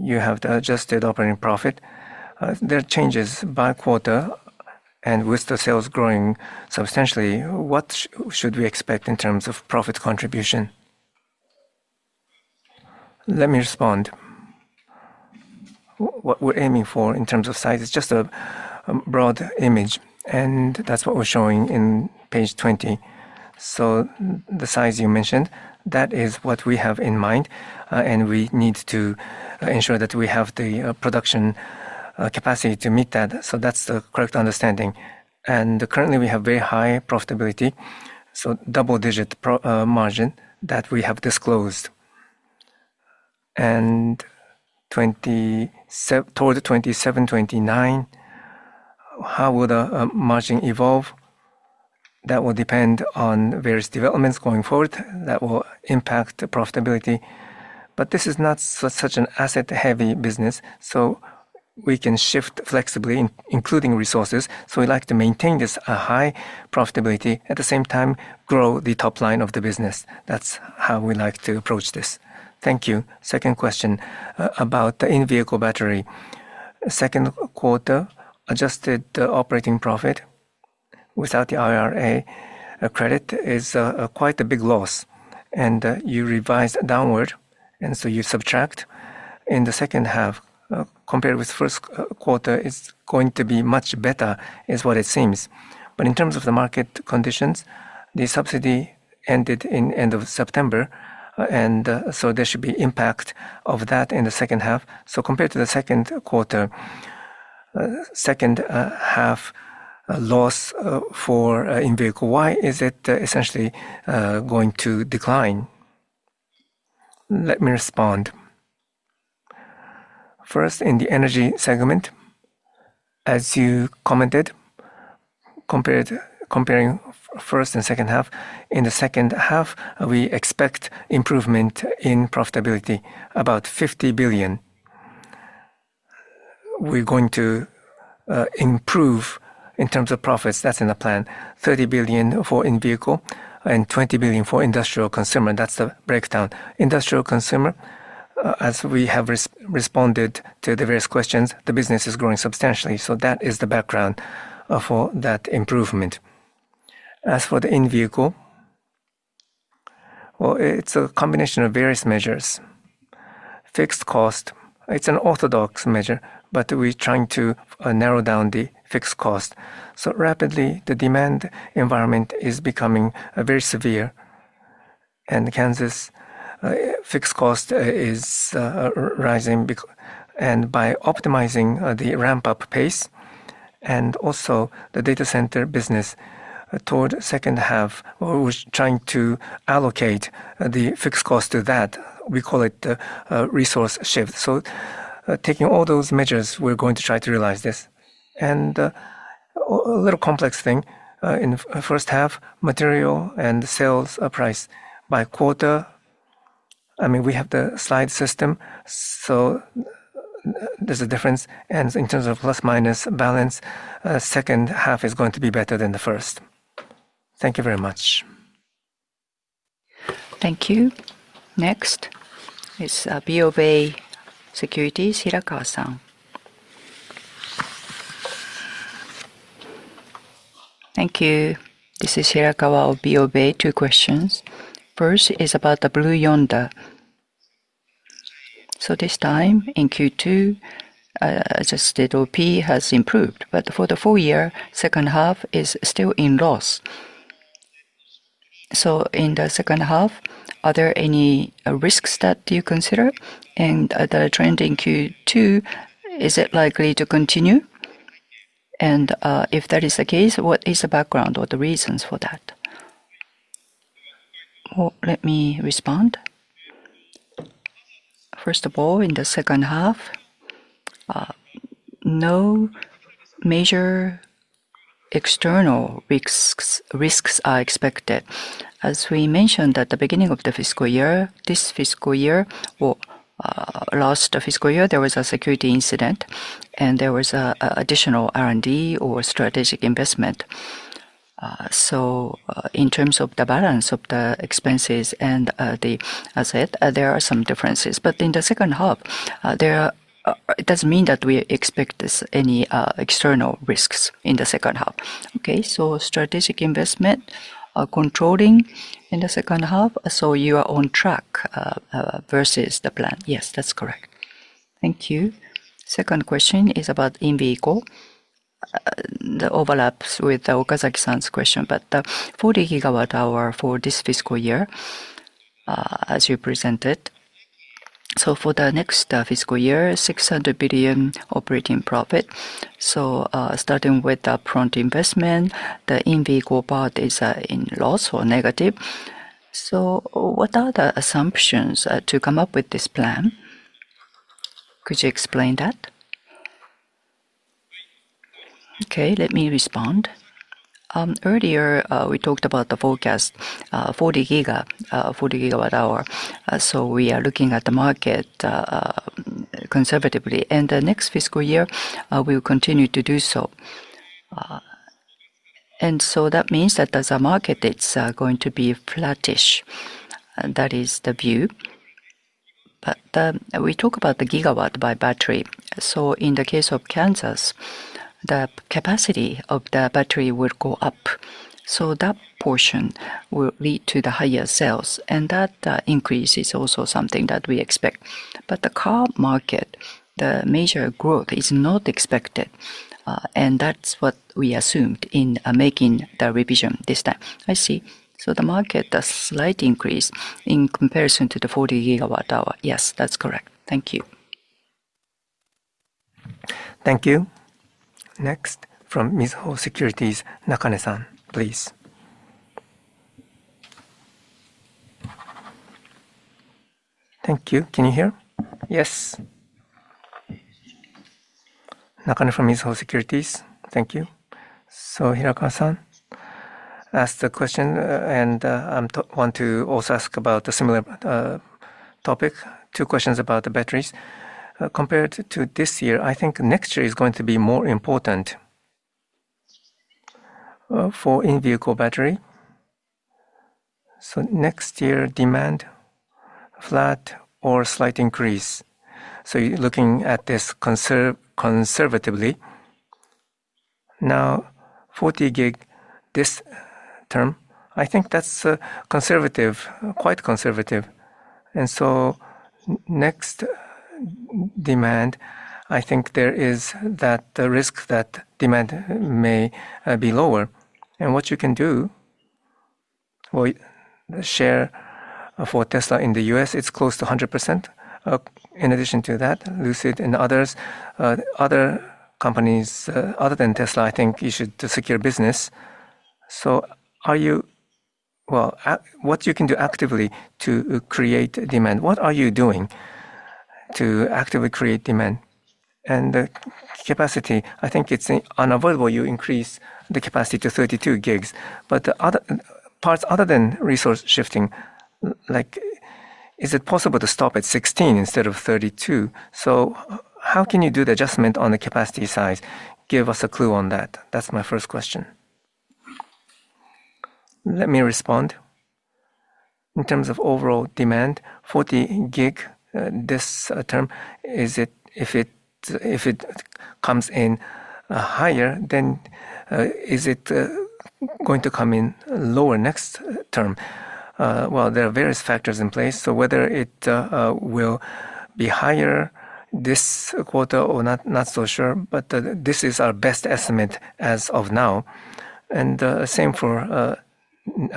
you have the adjusted operating profit. There are changes by quarter, and with the sales growing substantially, what should we expect in terms of profit contribution? Let me respond. What we're aiming for in terms of size is just a broad image, and that's what we're showing in page 20. The size you mentioned, that is what we have in mind, and we need to ensure that we have the production capacity to meet that. That's the correct understanding. Currently, we have very high profitability, so double-digit margin that we have disclosed. Toward 2027, 2029, how will the margin evolve? That will depend on various developments going forward that will impact profitability. This is not such an asset-heavy business, so we can shift flexibly, including resources. We'd like to maintain this high profitability and at the same time grow the top line of the business. That's how we like to approach this. Thank you. Second question about the in-vehicle battery. Second quarter, adjusted operating profit without the IRA credit is quite a big loss. You revise downward, and so you subtract. In the second half, compared with first quarter, it's going to be much better, is what it seems. In terms of the market conditions, the subsidy ended at the end of September, and there should be an impact of that in the second half compared to the second quarter. Second half. Loss for in-vehicle, why is it essentially going to decline? Let me respond. First, in the energy segment, as you commented, comparing first and second half, in the second half, we expect improvement in profitability, about 50 billion. We're going to improve in terms of profits. That's in the plan. 30 billion for in-vehicle and 20 billion for industrial consumer. That's the breakdown. Industrial consumer, as we have responded to the various questions, the business is growing substantially. That is the background for that improvement. As for the in-vehicle, it's a combination of various measures. Fixed cost, it's an orthodox measure, but we're trying to narrow down the fixed cost. Rapidly, the demand environment is becoming very severe. In Kansas, fixed cost is rising, and by optimizing the ramp-up pace and also the data center business, toward the second half, we're trying to allocate the fixed cost to that. We call it the resource shift. Taking all those measures, we're going to try to realize this. A little complex thing in the first half, material and sales price by quarter. I mean, we have the slide system, so there's a difference. In terms of plus-minus balance, the second half is going to be better than the first. Thank you very much. Thank you. Next is SMBC Nikko, Furukawa-san. Thank you. This is Furukawa of SMBC Nikko. Two questions. First is about Blue Yonder. This time in Q2, adjusted OP has improved, but for the full year, the second half is still in loss. In the second half, are there any risks that you consider? The trend in Q2, is it likely to continue? If that is the case, what is the background or the reasons for that? Let me respond. First of all, in the second half, no major external risks are expected. As we mentioned at the beginning of the fiscal year, this fiscal year, last fiscal year, there was a security incident, and there was an additional R&D or strategic investment. In terms of the balance of the expenses and the asset, there are some differences. In the second half, it doesn't mean that we expect any external risks in the second half. Strategic investment, controlling in the second half, you are on track versus the plan. Yes, that's correct. Thank you. Second question is about in-vehicle. This overlaps with Okazaki-san's question, but the 40 GWh for this fiscal year, as you presented. For the next fiscal year, 600 billion operating profit. Starting with the print investment, the in-vehicle part is in loss or negative. What are the assumptions to come up with this plan? Could you explain that? Let me respond. Earlier, we talked about the forecast, 40 GWh. We are looking at the market conservatively, and the next fiscal year, we will continue to do so. That means that there's a market that's going to be flattish. That is the view. We talk about the gigawatt by battery. In the case of Kansas, the capacity of the battery would go up. That portion will lead to the higher sales, and that increase is also something that we expect. The car market, the major growth is not expected, and that's what we assumed in making the revision this time. I see. The market does slight increase in comparison to the 40 GWh. Yes, that's correct. Thank you. Thank you. Next, from Mizuho Securities, Yasuo Nakane, please. Thank you. Can you hear? Yes. Nakane from Mizuho Securities. Thank you. Hirakawa-san asked a question, and I want to also ask about a similar topic. Two questions about the batteries. Compared to this year, I think next year is going to be more important for in-vehicle battery. Next year demand, flat or slight increase. Looking at this conservatively. Now, 40 gig this term, I think that's conservative, quite conservative. Next, demand, I think there is that risk that demand may be lower. What you can do. For Tesla in the U.S., it's close to 100%. In addition to that, Lucid and others. Other companies other than Tesla, I think you should secure business. Are you, what you can do actively to create demand? What are you doing to actively create demand? The capacity, I think it's unavoidable you increase the capacity to 32 gigs. The other parts other than resource shifting, is it possible to stop at 16 instead of 32? How can you do the adjustment on the capacity size? Give us a clue on that. That's my first question. Let me respond. In terms of overall demand, 40 gig this term, if it comes in higher, then is it going to come in lower next term? There are various factors in place. Whether it will be higher this quarter or not, not so sure, but this is our best estimate as of now. Same for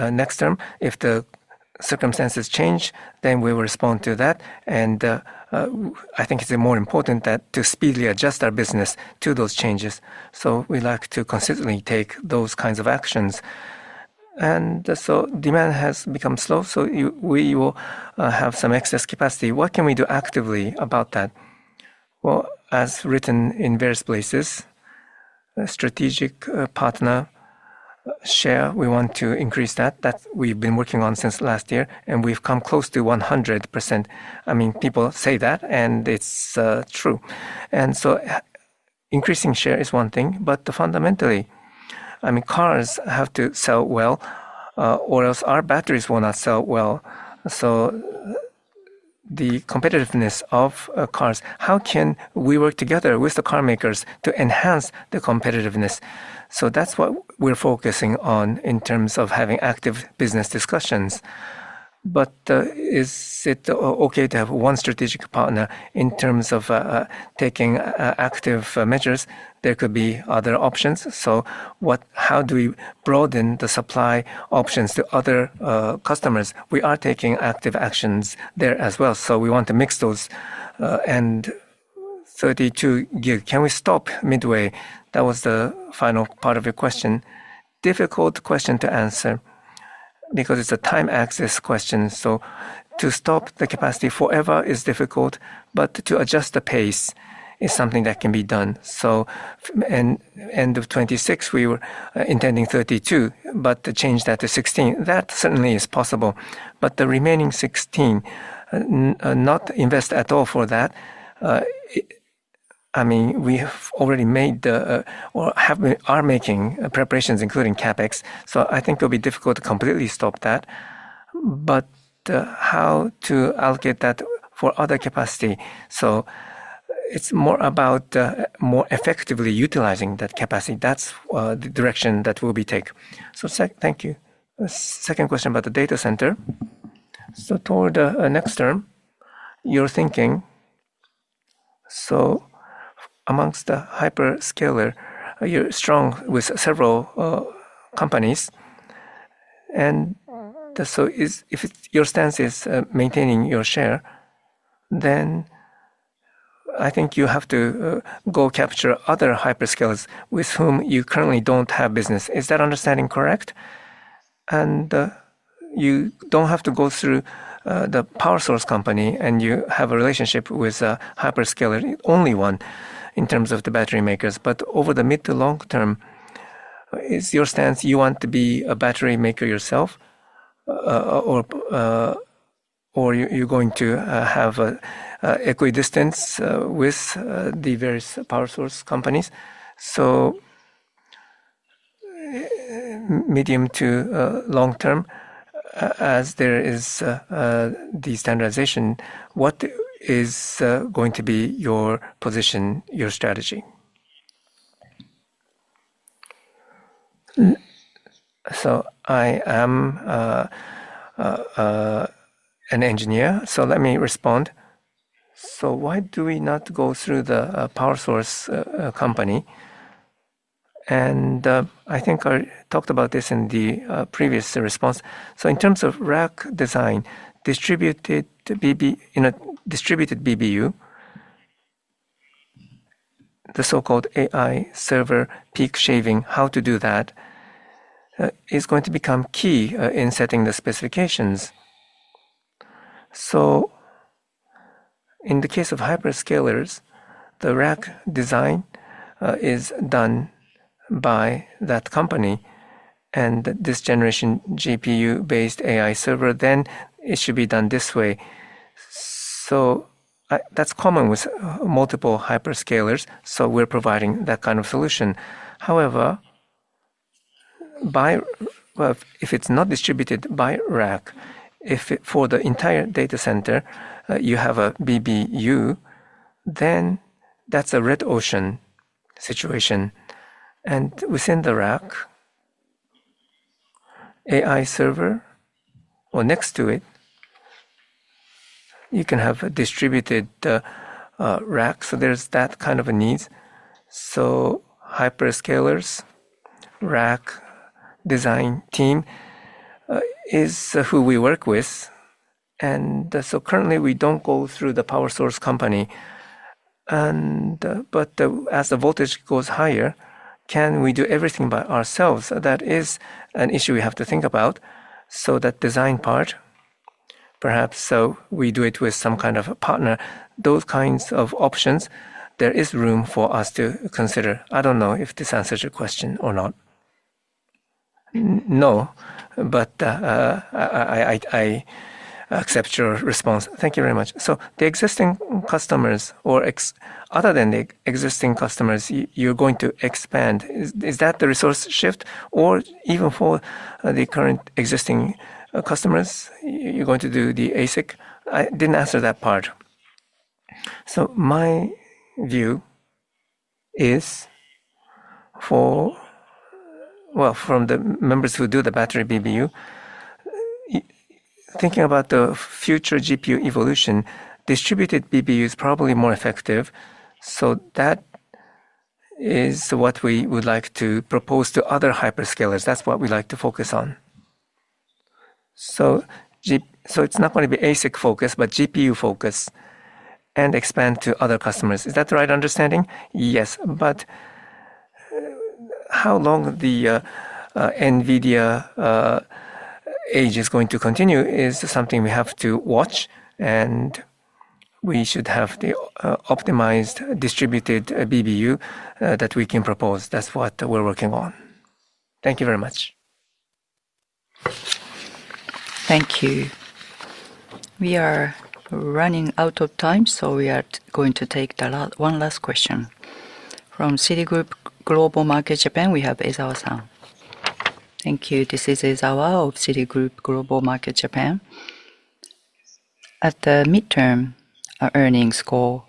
next term. If the circumstances change, then we will respond to that. I think it's more important to speedily adjust our business to those changes. We like to consistently take those kinds of actions. Demand has become slow, so we will have some excess capacity. What can we do actively about that? As written in various places, strategic partner share, we want to increase that. That's what we've been working on since last year, and we've come close to 100%. People say that, and it's true. Increasing share is one thing, but fundamentally, cars have to sell well or else our batteries will not sell well. The competitiveness of cars, how can we work together with the carmakers to enhance the competitiveness? That's what we're focusing on in terms of having active business discussions. Is it okay to have one strategic partner in terms of taking active measures? There could be other options. How do we broaden the supply options to other customers? We are taking active actions there as well. We want to mix those. 32G, can we stop midway? That was the final part of your question. Difficult question to answer because it's a time axis question. To stop the capacity forever is difficult, but to adjust the pace is something that can be done. End of 2026, we were intending 32, but to change that to 16, that certainly is possible. The remaining 16, not invest at all for that. We have already made the, or are making preparations, including CapEx. I think it'll be difficult to completely stop that. How to allocate that for other capacity. It's more about more effectively utilizing that capacity. That's the direction that we'll be taking. Thank you. Second question about the data center. Toward the next term, you're thinking. Amongst the hyperscaler, you're strong with several companies. If your stance is maintaining your share, then I think you have to go capture other hyperscalers with whom you currently don't have business. Is that understanding correct? You don't have to go through the power source company, and you have a relationship with a hyperscaler, only one, in terms of the battery makers. Over the mid to long term, is your stance you want to be a battery maker yourself, or are you going to have an equidistance with the various power source companies? Medium to long term, as there is the standardization, what is going to be your position, your strategy? I am an engineer, so let me respond. Why do we not go through the power source company? I think I talked about this in the previous response. In terms of rack design, distributed BBU, the so-called AI server peak shaving, how to do that is going to become key in setting the specifications. In the case of hyperscalers, the rack design is done by that company. This generation GPU-based AI server, then it should be done this way. That's common with multiple hyperscalers, so we're providing that kind of solution. However, if it's not distributed by rack, if for the entire data center you have a BBU, then that's a red ocean situation. Within the rack, AI server, or next to it, you can have a distributed rack. There's that kind of a need. Hyperscalers' rack design team is who we work with, and currently we don't go through the power source company. As the voltage goes higher, can we do everything by ourselves? That is an issue we have to think about. That design part, perhaps we do it with some kind of a partner. Those kinds of options, there is room for us to consider. I don't know if this answers your question or not. No, but I accept your response. Thank you very much. The existing customers, or other than the existing customers, you're going to expand. Is that the resource shift? Even for the current existing customers, you're going to do the ASIC? I didn't answer that part. My view is, from the members who do the battery BBU, thinking about the future GPU evolution, distributed BBU is probably more effective. That is what we would like to propose to other hyperscalers. That's what we'd like to focus on. It's not going to be ASIC focused, but GPU focused, and expand to other customers. Is that the right understanding? Yes. How long the NVIDIA age is going to continue is something we have to watch, and we should have the optimized distributed BBU that we can propose. That's what we're working on. Thank you very much. Thank you. We are running out of time, so we are going to take one last question. From Citigroup Global Markets Japan, we have Isao-san. Thank you. This is Isao of Citigroup Global Markets Japan. At the midterm earnings call,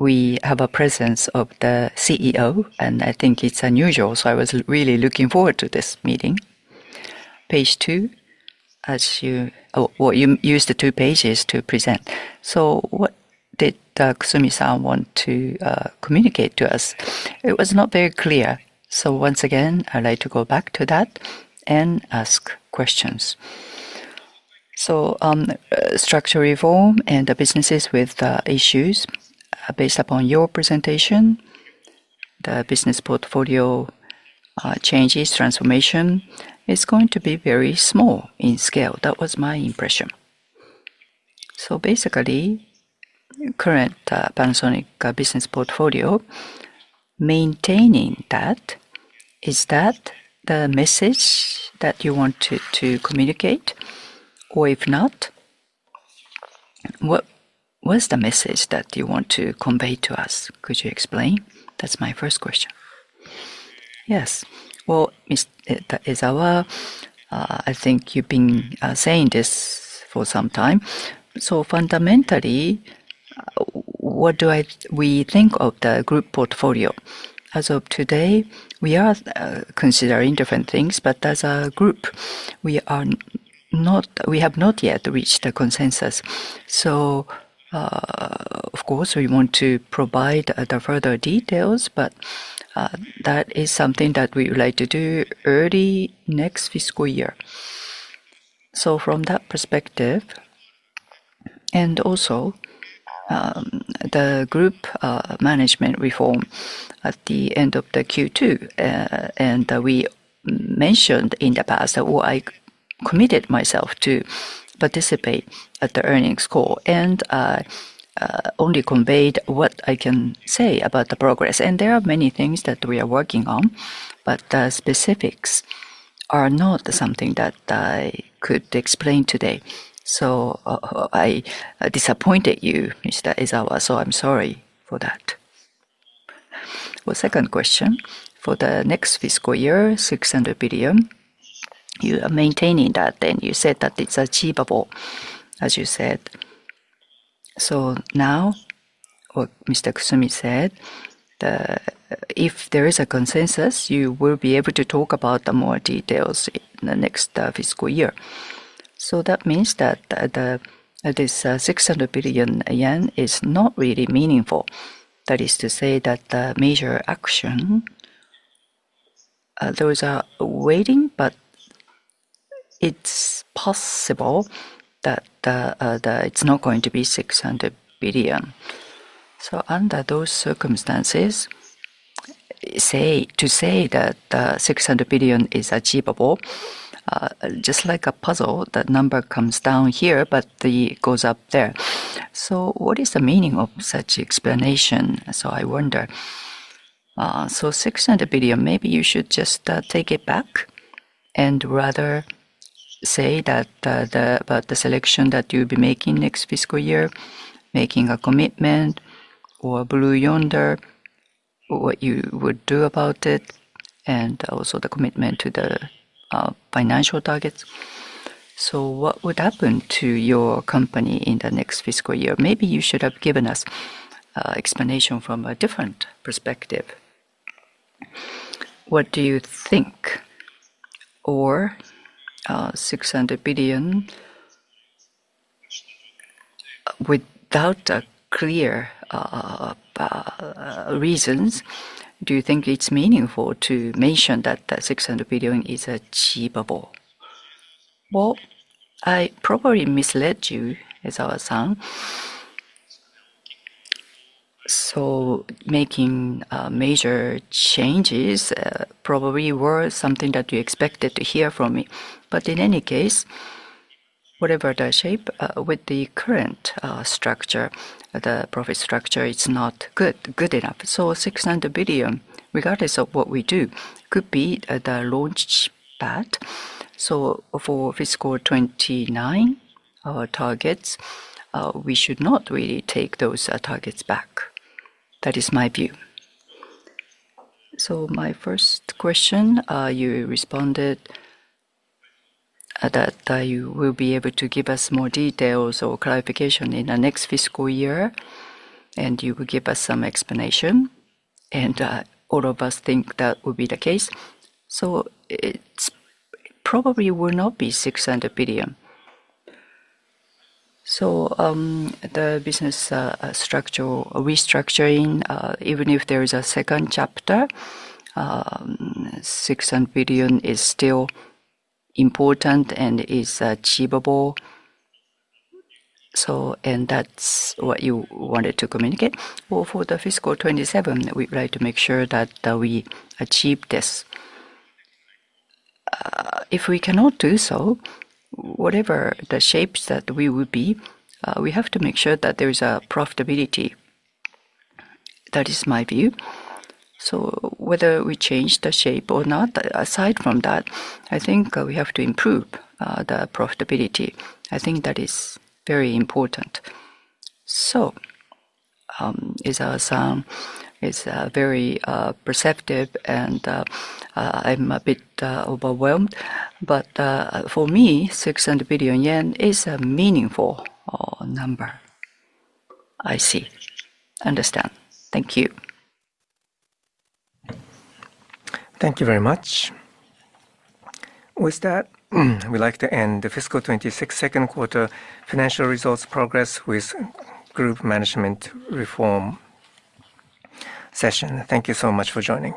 we have a presence of the CEO, and I think it's unusual, so I was really looking forward to this meeting. Page two. As you used the two pages to present, what did Kusumi-san want to communicate to us? It was not very clear. Once again, I'd like to go back to that and ask questions. Structure reform and the businesses with the issues based upon your presentation. The business portfolio changes, transformation is going to be very small in scale. That was my impression. Basically, current Panasonic business portfolio, maintaining that. Is that the message that you want to communicate? If not, what's the message that you want to convey to us? Could you explain? That's my first question. Yes. Isao, I think you've been saying this for some time. Fundamentally, what do we think of the group portfolio? As of today, we are considering different things, but as a group, we have not yet reached a consensus. Of course, we want to provide the further details, but that is something that we would like to do early next fiscal year. From that perspective, and also the group management reform at the end of Q2, we mentioned in the past that I committed myself to participate at the earnings call and only conveyed what I can say about the progress. There are many things that we are working on, but the specifics are not something that I could explain today. I disappointed you, Mr. Isao, so I'm sorry for that. Second question. For the next fiscal year, 600 billion. You are maintaining that, and you said that it's achievable, as you said. Now, or Mr. Kusumi said, if there is a consensus, you will be able to talk about the more details in the next fiscal year. That means that this 600 billion yen is not really meaningful. That is to say that the major action, those are waiting, but it's possible that it's not going to be 600 billion. Under those circumstances, to say that 600 billion is achievable, just like a puzzle, the number comes down here, but it goes up there. What is the meaning of such explanation? I wonder. So 600 billion, maybe you should just take it back. Rather, say that about the selection that you'll be making next fiscal year, making a commitment. Or a Blue Yonder. What you would do about it, and also the commitment to the financial targets. What would happen to your company in the next fiscal year? Maybe you should have given us explanation from a different perspective. What do you think? 600 billion. Without clear reasons, do you think it's meaningful to mention that 600 billion is achievable? I probably misled you, Isao-san. Making major changes probably was something that you expected to hear from me. In any case, whatever the shape, with the current structure, the profit structure is not good enough. 600 billion, regardless of what we do, could be the launch pad. For fiscal 2029 targets, we should not really take those targets back. That is my view. My first question, you responded that you will be able to give us more details or clarification in the next fiscal year, and you will give us some explanation, and all of us think that will be the case. It probably will not be 600 billion. The business restructuring, even if there is a second chapter, 600 billion is still important and is achievable, and that's what you wanted to communicate. For fiscal 2027, we'd like to make sure that we achieve this. If we cannot do so, whatever the shape that we will be, we have to make sure that there is a profitability. That is my view. Whether we change the shape or not, aside from that, I think we have to improve the profitability. I think that is very important. Isao-san is very perceptive, and I'm a bit overwhelmed. For me, 600 billion yen is a meaningful number. I see. Understand. Thank you. Thank you very much. With that, we'd like to end the fiscal 2026 second quarter financial results progress with group management reform session. Thank you so much for joining.